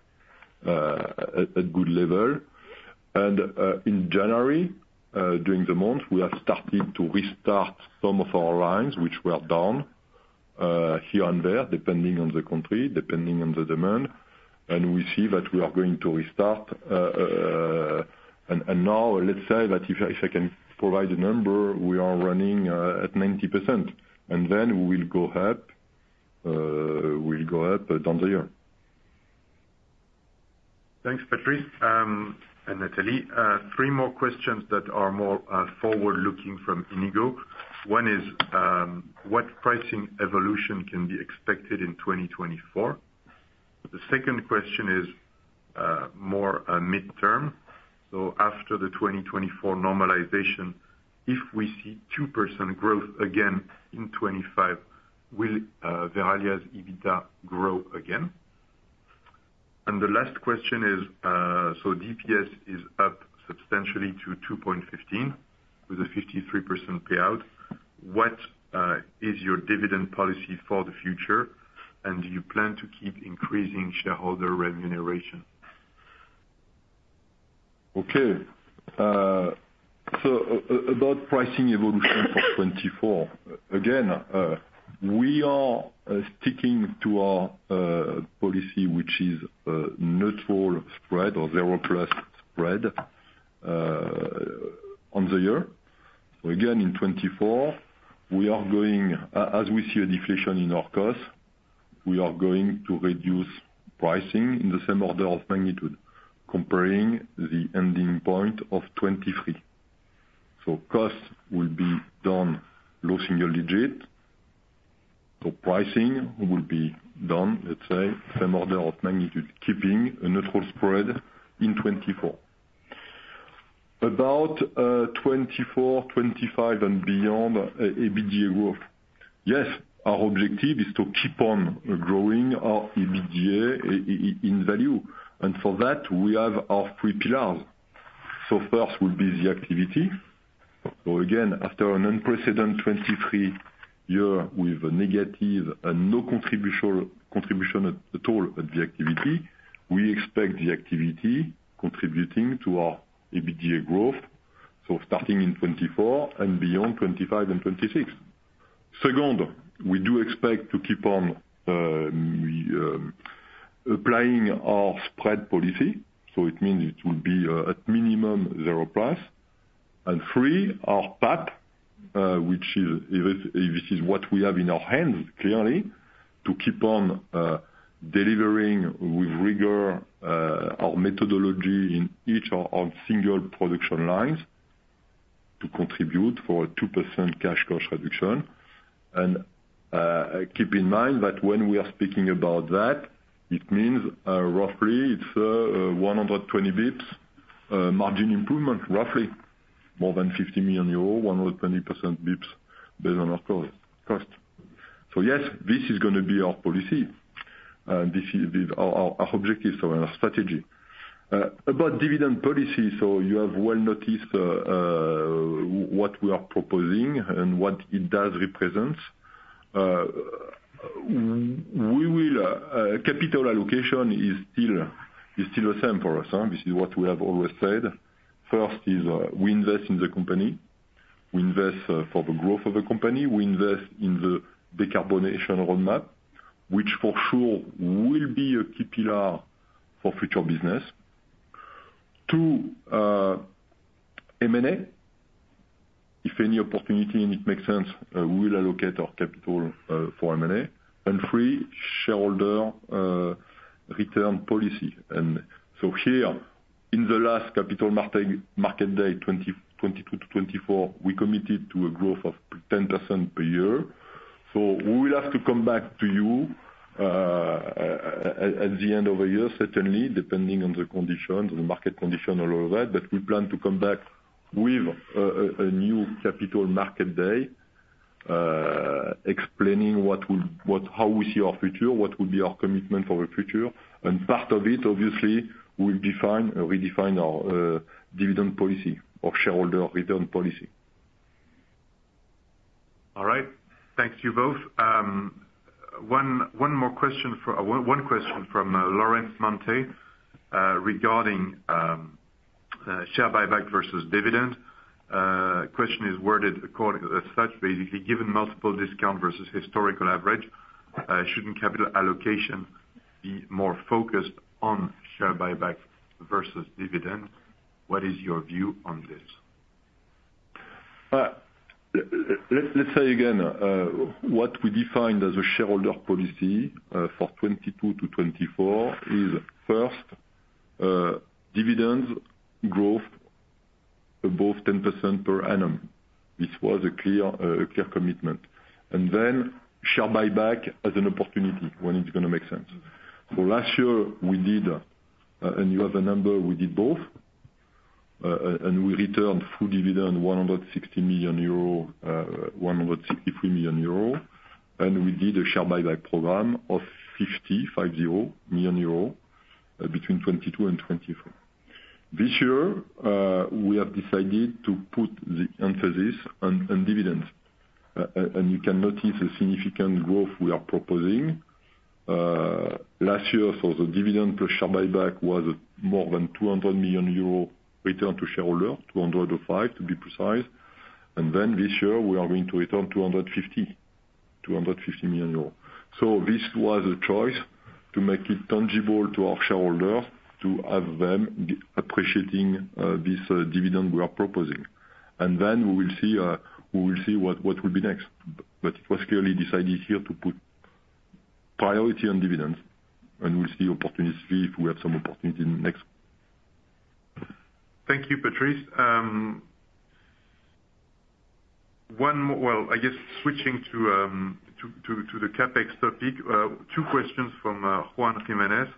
at good level. In January, during the month, we have started to restart some of our lines, which were down here and there depending on the country, depending on the demand. We see that we are going to restart. Now, let's say that if I can provide a number, we are running at 90%. Then we will go up down the year. Thanks, Patrice and Nathalie. Three more questions that are more forward-looking from Iñigo. One is, what pricing evolution can be expected in 2024? The second question is more midterm. So after the 2024 normalization, if we see 2% growth again in 2025, will Verallia's EBITDA grow again? And the last question is, so DPS is up substantially to 2.15 with a 53% payout. What is your dividend policy for the future, and do you plan to keep increasing shareholder remuneration? Okay. So about pricing evolution for 2024, again, we are sticking to our policy, which is neutral spread or zero-plus spread on the year. So again, in 2024, as we see a deflation in our costs, we are going to reduce pricing in the same order of magnitude comparing the ending point of 2023. So costs will be down low single digit. So pricing will be down, let's say, same order of magnitude, keeping a neutral spread in 2024. About 2024, 2025, and beyond, EBITDA growth. Yes, our objective is to keep on growing our EBITDA in value. And for that, we have our three pillars. So first will be the activity. So again, after an unprecedented 2023 year with a negative and no contribution at all at the activity, we expect the activity contributing to our EBITDA growth, so starting in 2024 and beyond 2025 and 2026. Second, we do expect to keep on applying our spread policy. So it means it will be at minimum 0+. And three, our path, which is this is what we have in our hands, clearly, to keep on delivering with rigor our methodology in each of our single production lines to contribute for a 2% cash cost reduction. And keep in mind that when we are speaking about that, it means roughly, it's 120 basis points margin improvement, roughly, more than 50 million euros, 120 basis points based on our cost. So yes, this is going to be our policy. This is our objective, so our strategy. About dividend policy, so you have well noticed what we are proposing and what it does represent. Capital allocation is still the same for us. This is what we have always said. First is we invest in the company. We invest for the growth of the company. We invest in the decarbonation roadmap, which for sure will be a key pillar for future business. Two, M&A. If any opportunity and it makes sense, we will allocate our capital for M&A. And three, shareholder return policy. And so here, in the last Capital Markets Day 2022-2024, we committed to a growth of 10% per year. So we will have to come back to you at the end of the year, certainly, depending on the conditions, the market condition, all of that. But we plan to come back with a new Capital Markets Day explaining how we see our future, what will be our commitment for the future. And part of it, obviously, will redefine our dividend policy or shareholder return policy. All right. Thanks to you both. One more question from Laurens Mante regarding share buyback versus dividend. Question is worded as such, basically, given multiple discount versus historical average, shouldn't capital allocation be more focused on share buyback versus dividend? What is your view on this? Let's say again, what we defined as a shareholder policy for 2022-2024 is first, dividends growth above 10% per annum. This was a clear commitment. And then share buyback as an opportunity when it's going to make sense. So last year, we did and you have a number, we did both. And we returned full dividend, 163 million euro. And we did a share buyback program of 50 million euro between 2022 and 2023. This year, we have decided to put the emphasis on dividends. And you can notice the significant growth we are proposing. Last year, so the dividend plus share buyback was more than 200 million euro return to shareholder, 205 million to be precise. And then this year, we are going to return 250 million euro. This was a choice to make it tangible to our shareholders to have them appreciating this dividend we are proposing. Then we will see what will be next. It was clearly decided here to put priority on dividends. We'll see if we have some opportunity next. Thank you, Patrice. Well, I guess switching to the CapEx topic, two questions from Juan Jiménez.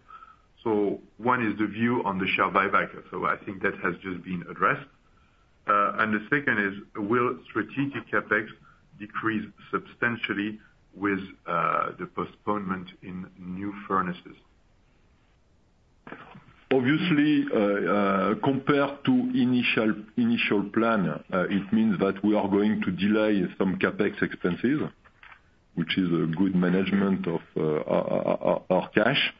So one is the view on the share buyback. So I think that has just been addressed. And the second is, will strategic CapEx decrease substantially with the postponement in new furnaces? Obviously, compared to initial plan, it means that we are going to delay some CapEx expenses, which is good management of our cash.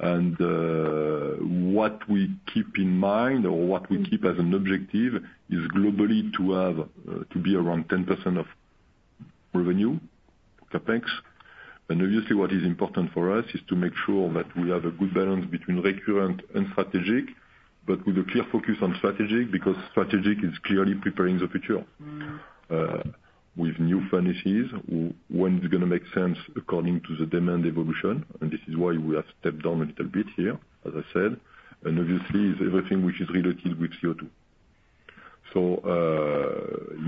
What we keep in mind or what we keep as an objective is globally to be around 10% of revenue CapEx. Obviously, what is important for us is to make sure that we have a good balance between recurrent and strategic, but with a clear focus on strategic because strategic is clearly preparing the future with new furnaces when it's going to make sense according to the demand evolution. This is why we have stepped down a little bit here, as I said. Obviously, it's everything which is related with CO2.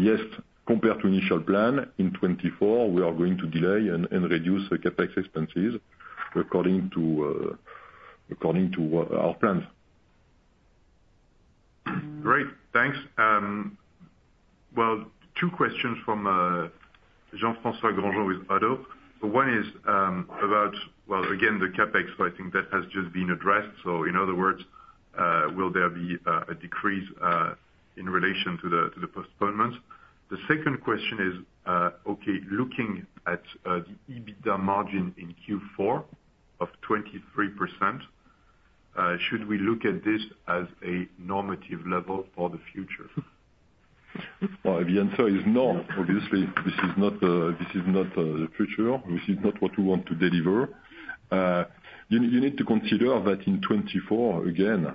Yes, compared to initial plan, in 2024, we are going to delay and reduce CapEx expenses according to our plans. Great. Thanks. Well, two questions from Jean-François Granjon with Oddo. So one is about, well, again, the CapEx. So I think that has just been addressed. So in other words, will there be a decrease in relation to the postponement? The second question is, okay, looking at the EBITDA margin in Q4 of 23%, should we look at this as a normative level for the future? Well, the answer is no, obviously. This is not the future. This is not what we want to deliver. You need to consider that in 2024, again,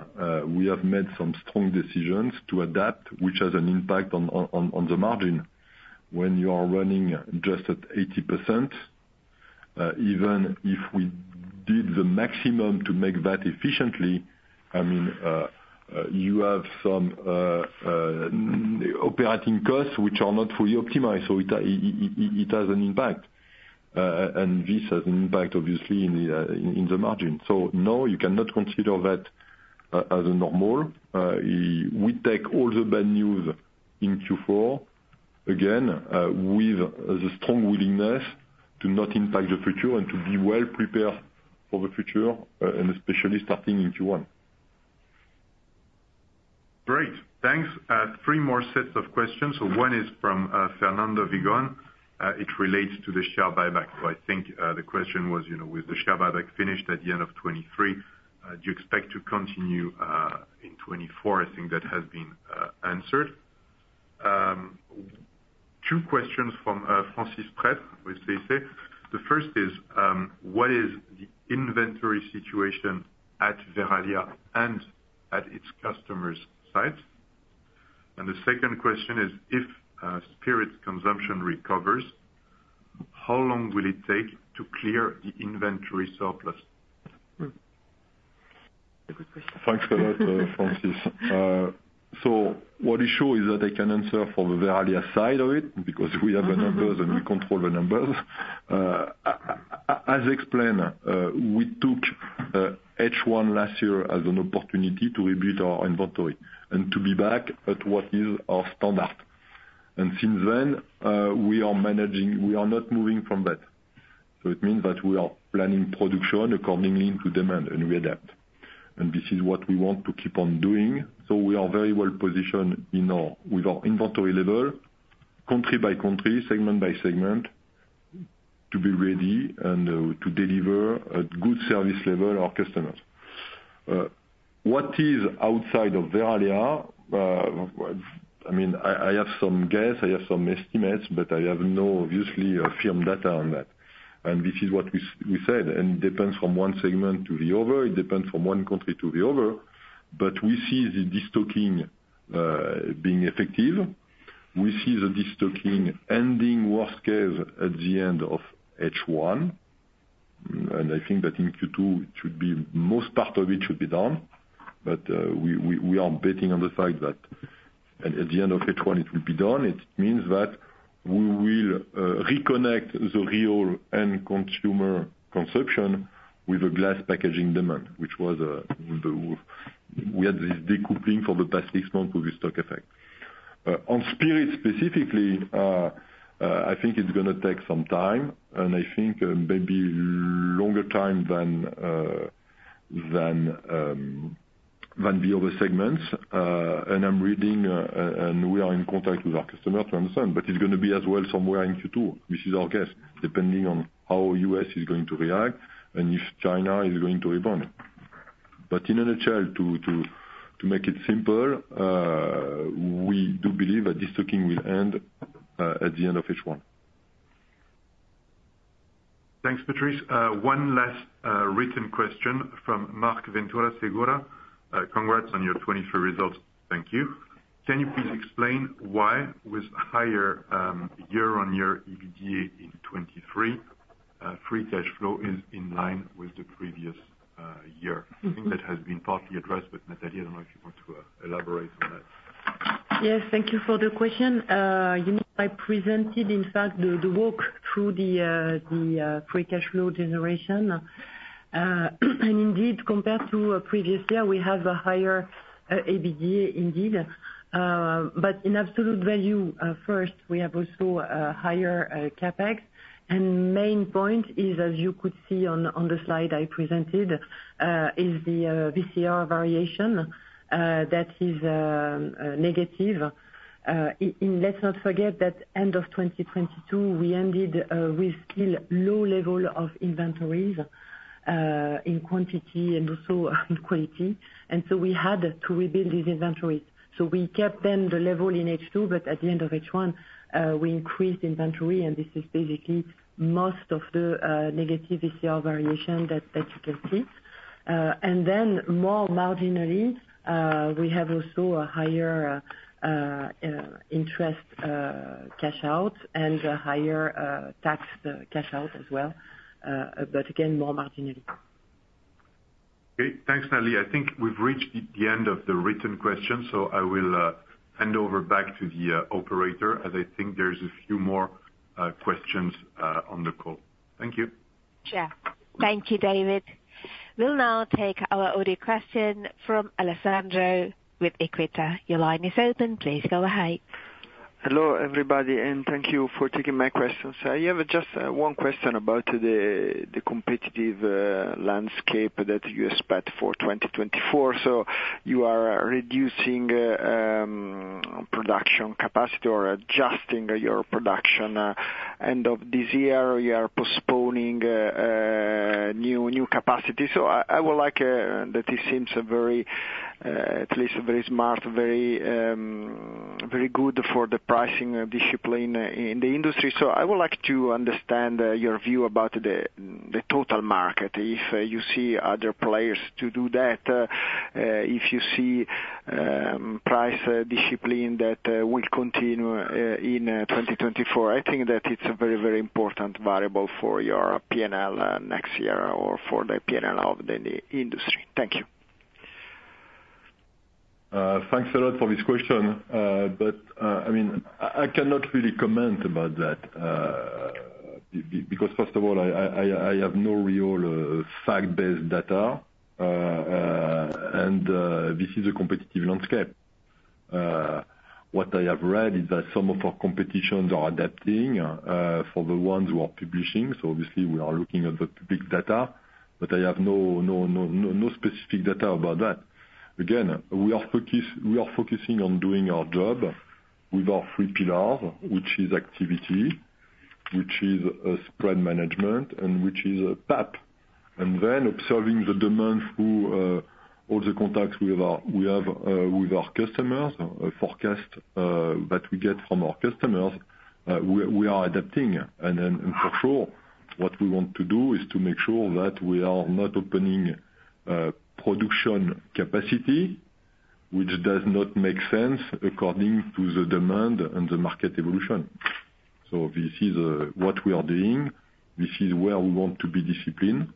we have made some strong decisions to adapt, which has an impact on the margin. When you are running just at 80%, even if we did the maximum to make that efficiently, I mean, you have some operating costs which are not fully optimized. So it has an impact. And this has an impact, obviously, in the margin. So no, you cannot consider that as normal. We take all the bad news in Q4, again, with the strong willingness to not impact the future and to be well prepared for the future, and especially starting in Q1. Great. Thanks. Three more sets of questions. So one is from [Fernando Vigon]. It relates to the share buyback. So I think the question was, was the share buyback finished at the end of 2023? Do you expect to continue in 2024? I think that has been answered. Two questions from Francis Prêtre, with CIC. The first is, what is the inventory situation at Verallia and at its customers' sites? And the second question is, if spirits' consumption recovers, how long will it take to clear the inventory surplus? Thanks a lot, Francisco. So what is sure is that I can answer for the Verallia side of it because we have the numbers and we control the numbers. As explained, we took H1 last year as an opportunity to rebuild our inventory and to be back at what is our standard. And since then, we are not moving from that. So it means that we are planning production accordingly to demand, and we adapt. And this is what we want to keep on doing. So we are very well-positioned with our inventory level, country by country, segment by segment, to be ready and to deliver a good service level to our customers. What is outside of Verallia? I mean, I have some guess. I have some estimates, but I have no, obviously, firm data on that. And this is what we said. It depends from one segment to the other. It depends from one country to the other. But we see the destocking being effective. We see the destocking ending, worst case, at the end of H1. And I think that in Q2, most part of it should be done. But we are betting on the fact that at the end of H1, it will be done. It means that we will reconnect the real end consumer consumption with the glass packaging demand, which was, we had this decoupling for the past six months with the stock effect. On spirits specifically, I think it's going to take some time. And I think maybe longer time than the other segments. And I'm reading, and we are in contact with our customer to understand. It's going to be as well somewhere in Q2, which is our guess, depending on how the U.S. is going to react and if China is going to respond. In a nutshell, to make it simple, we do believe that destocking will end at the end of H1. Thanks, Patrice. One last written question from Marc Ventura Segura. Congrats on your 2023 results. Thank you. Can you please explain why, with higher year-over-year EBITDA in 2023, free cash flow is in line with the previous year? I think that has been partly addressed, but Nathalie, I don't know if you want to elaborate on that. Yes. Thank you for the question. I presented, in fact, the walk through the free cash flow generation. And indeed, compared to previous year, we have a higher EBITDA indeed. But in absolute value, first, we have also higher CapEx. And main point is, as you could see on the slide I presented, is the WCR variation that is negative. Let's not forget that end of 2022, we ended with still low level of inventories in quantity and also quality. And so we had to rebuild these inventories. So we kept then the level in H2, but at the end of H1, we increased inventory. And this is basically most of the negative WCR variation that you can see. And then more marginally, we have also a higher interest cash out and a higher tax cash out as well, but again, more marginally. Great. Thanks, Nathalie. I think we've reached the end of the written questions. I will hand over back to the operator as I think there's a few more questions on the call. Thank you. Sure. Thank you, David. We'll now take our audio question from Alessandro with EQUITA. Your line is open. Please go ahead. Hello, everybody. Thank you for taking my questions. I have just one question about the competitive landscape that you expect for 2024. So you are reducing production capacity or adjusting your production end of this year, or you are postponing new capacity. So I would like, that it seems at least very smart, very good for the pricing discipline in the industry. So I would like to understand your view about the total market, if you see other players to do that, if you see price discipline that will continue in 2024. I think that it's a very, very important variable for your P&L next year or for the P&L of the industry. Thank you. Thanks a lot for this question. But I mean, I cannot really comment about that because, first of all, I have no real fact-based data. And this is a competitive landscape. What I have read is that some of our competitors are adapting for the ones who are publishing. So obviously, we are looking at the public data. But I have no specific data about that. Again, we are focusing on doing our job with our three pillars, which is activity, which is spread management, and which is PAP. And then observing the demand through all the contacts we have with our customers, forecasts that we get from our customers, we are adapting. And for sure, what we want to do is to make sure that we are not opening production capacity, which does not make sense according to the demand and the market evolution. So this is what we are doing. This is where we want to be disciplined,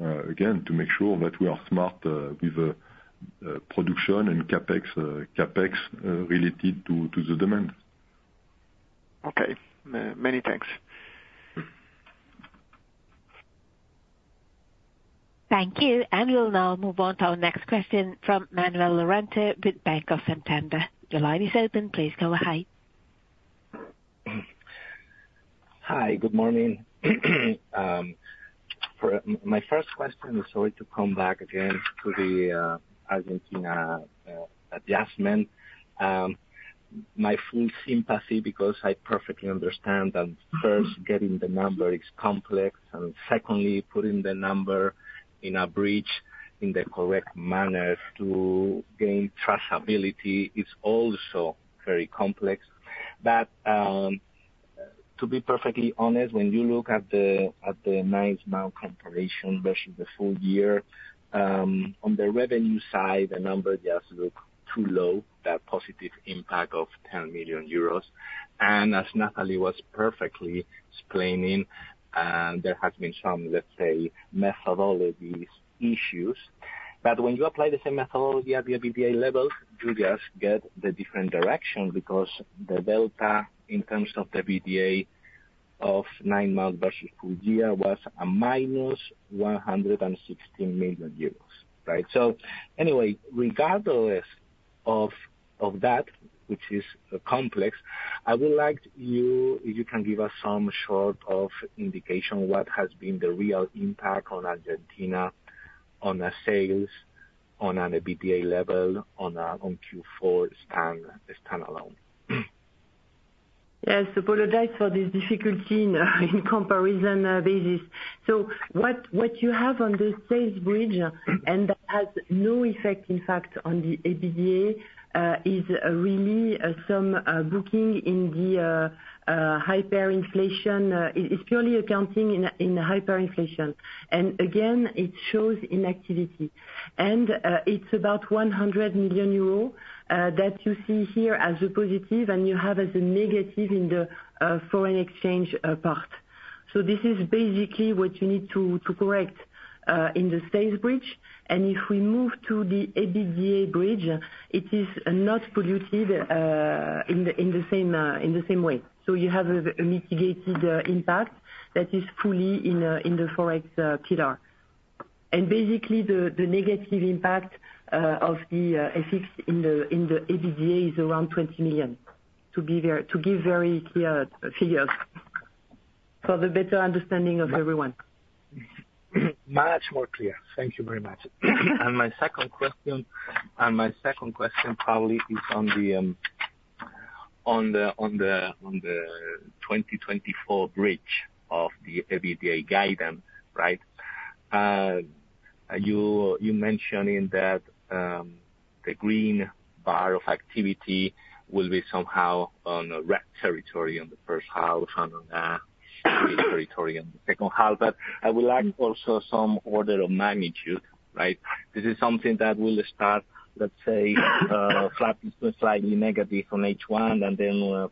again, to make sure that we are smart with production and CapEx related to the demand. Okay. Many thanks. Thank you. We'll now move on to our next question from Manuel Lorente with Banco Santander. Your line is open. Please go ahead. Hi. Good morning. My first question is, sorry to come back again to the Argentina adjustment. My full sympathy because I perfectly understand that first, getting the number is complex. And secondly, putting the number in a bridge in the correct manner to gain traceability is also very complex. But to be perfectly honest, when you look at the nine-month comparison versus the full year, on the revenue side, the number just looks too low, that positive impact of 10 million euros. And as Nathalie was perfectly explaining, there have been some, let's say, methodology issues. But when you apply the same methodology at the EBITDA level, you just get the different direction because the delta, in terms of the EBITDA of nine-month versus full year, was a -116 million euros, right? So, anyway, regardless of that, which is complex, I would like you if you can give us some short indication what has been the real impact on Argentina, on sales, on an EBITDA level, on Q4 stand alone. Yes. Apologize for this difficulty in comparison basis. So what you have on the sales bridge, and that has no effect, in fact, on the EBITDA, is really some booking in the hyperinflation. It's purely accounting in hyperinflation. And again, it shows inactivity. And it's about 100 million euros that you see here as a positive, and you have as a negative in the foreign exchange part. So this is basically what you need to correct in the sales bridge. And if we move to the EBITDA bridge, it is not polluted in the same way. So you have a mitigated impact that is fully in the FX pillar. And basically, the negative impact of the FX in the EBITDA is around 20 million, to give very clear figures for the better understanding of everyone. Much more clear. Thank you very much. My second question probably is on the 2024 bridge of the EBITDA guidance, right? You mentioning that the green bar of activity will be somehow on red territory on the first half and on green territory on the second half. But I would like also some order of magnitude, right? This is something that will start, let's say, slightly negative on H1, and then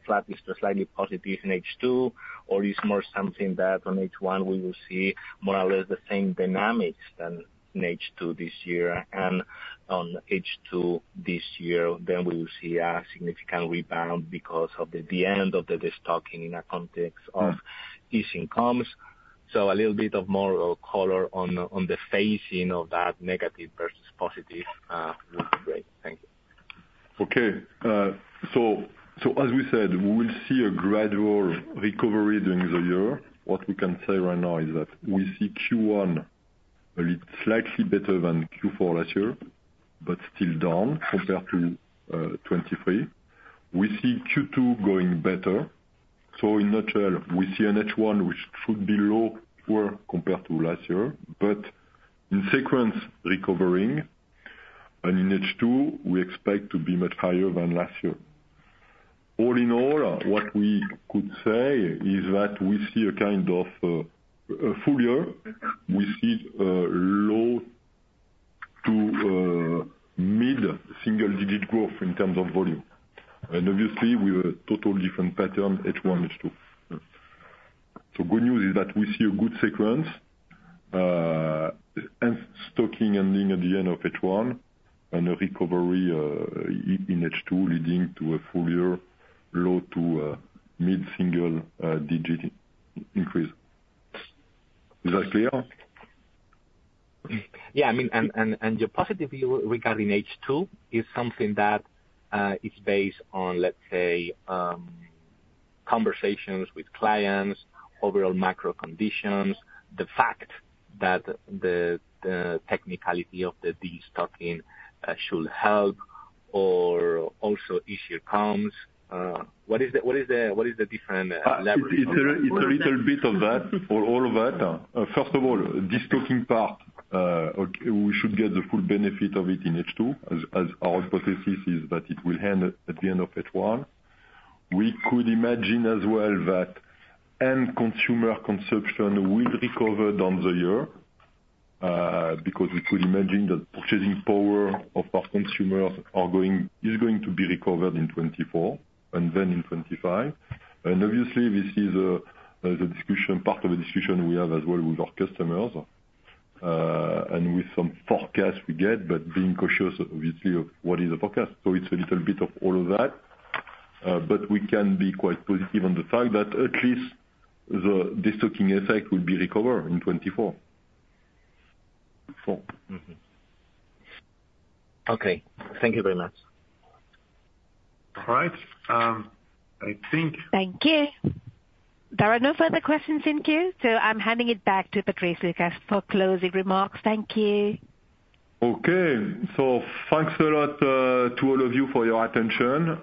slightly positive in H2, or it's more something that on H1, we will see more or less the same dynamics than in H2 this year. And on H2 this year, then we will see a significant rebound because of the end of the destocking in a context of easing comps. So a little bit more color on the phasing of that negative versus positive would be great. Thank you. Okay. So as we said, we will see a gradual recovery during the year. What we can say right now is that we see Q1 slightly better than Q4 last year, but still down compared to 2023. We see Q2 going better. So in nutshell, we see an H1 which should be lower compared to last year, but in sequence recovering. And in H2, we expect to be much higher than last year. All in all, what we could say is that we see a kind of full year. We see low to mid single-digit growth in terms of volume. And obviously, we have a total different pattern H1, H2. So good news is that we see a good sequence, stocking ending at the end of H1, and a recovery in H2 leading to a full year, low to mid single-digit increase. Is that clear? Yeah. I mean, and your positive view regarding H2 is something that is based on, let's say, conversations with clients, overall macro conditions, the fact that the technicality of the destocking should help, or also easier comps. What is the different leverage? It's a little bit of that or all of that. First of all, destocking part, we should get the full benefit of it in H2. Our hypothesis is that it will end at the end of H1. We could imagine as well that end consumer consumption will recover down the year because we could imagine that purchasing power of our consumers is going to be recovered in 2024 and then in 2025. Obviously, this is part of a discussion we have as well with our customers and with some forecasts we get, but being cautious, obviously, of what is the forecast. So it's a little bit of all of that. We can be quite positive on the fact that at least the destocking effect will be recovered in 2024. Okay. Thank you very much. Thank you. There are no further questions in queue, so I'm handing it back to Patrice Lucas for closing remarks. Thank you. Okay. So thanks a lot to all of you for your attention.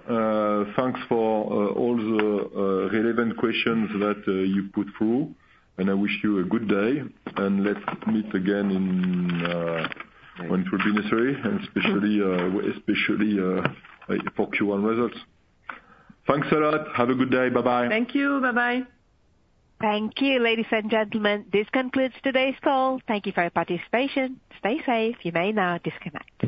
Thanks for all the relevant questions that you put through. I wish you a good day. Let's meet again when it will be necessary, especially for Q1 results. Thanks a lot. Have a good day. Bye-bye. Thank you. Bye-bye. Thank you, ladies and gentlemen. This concludes today's call. Thank you for your participation. Stay safe. You may now disconnect.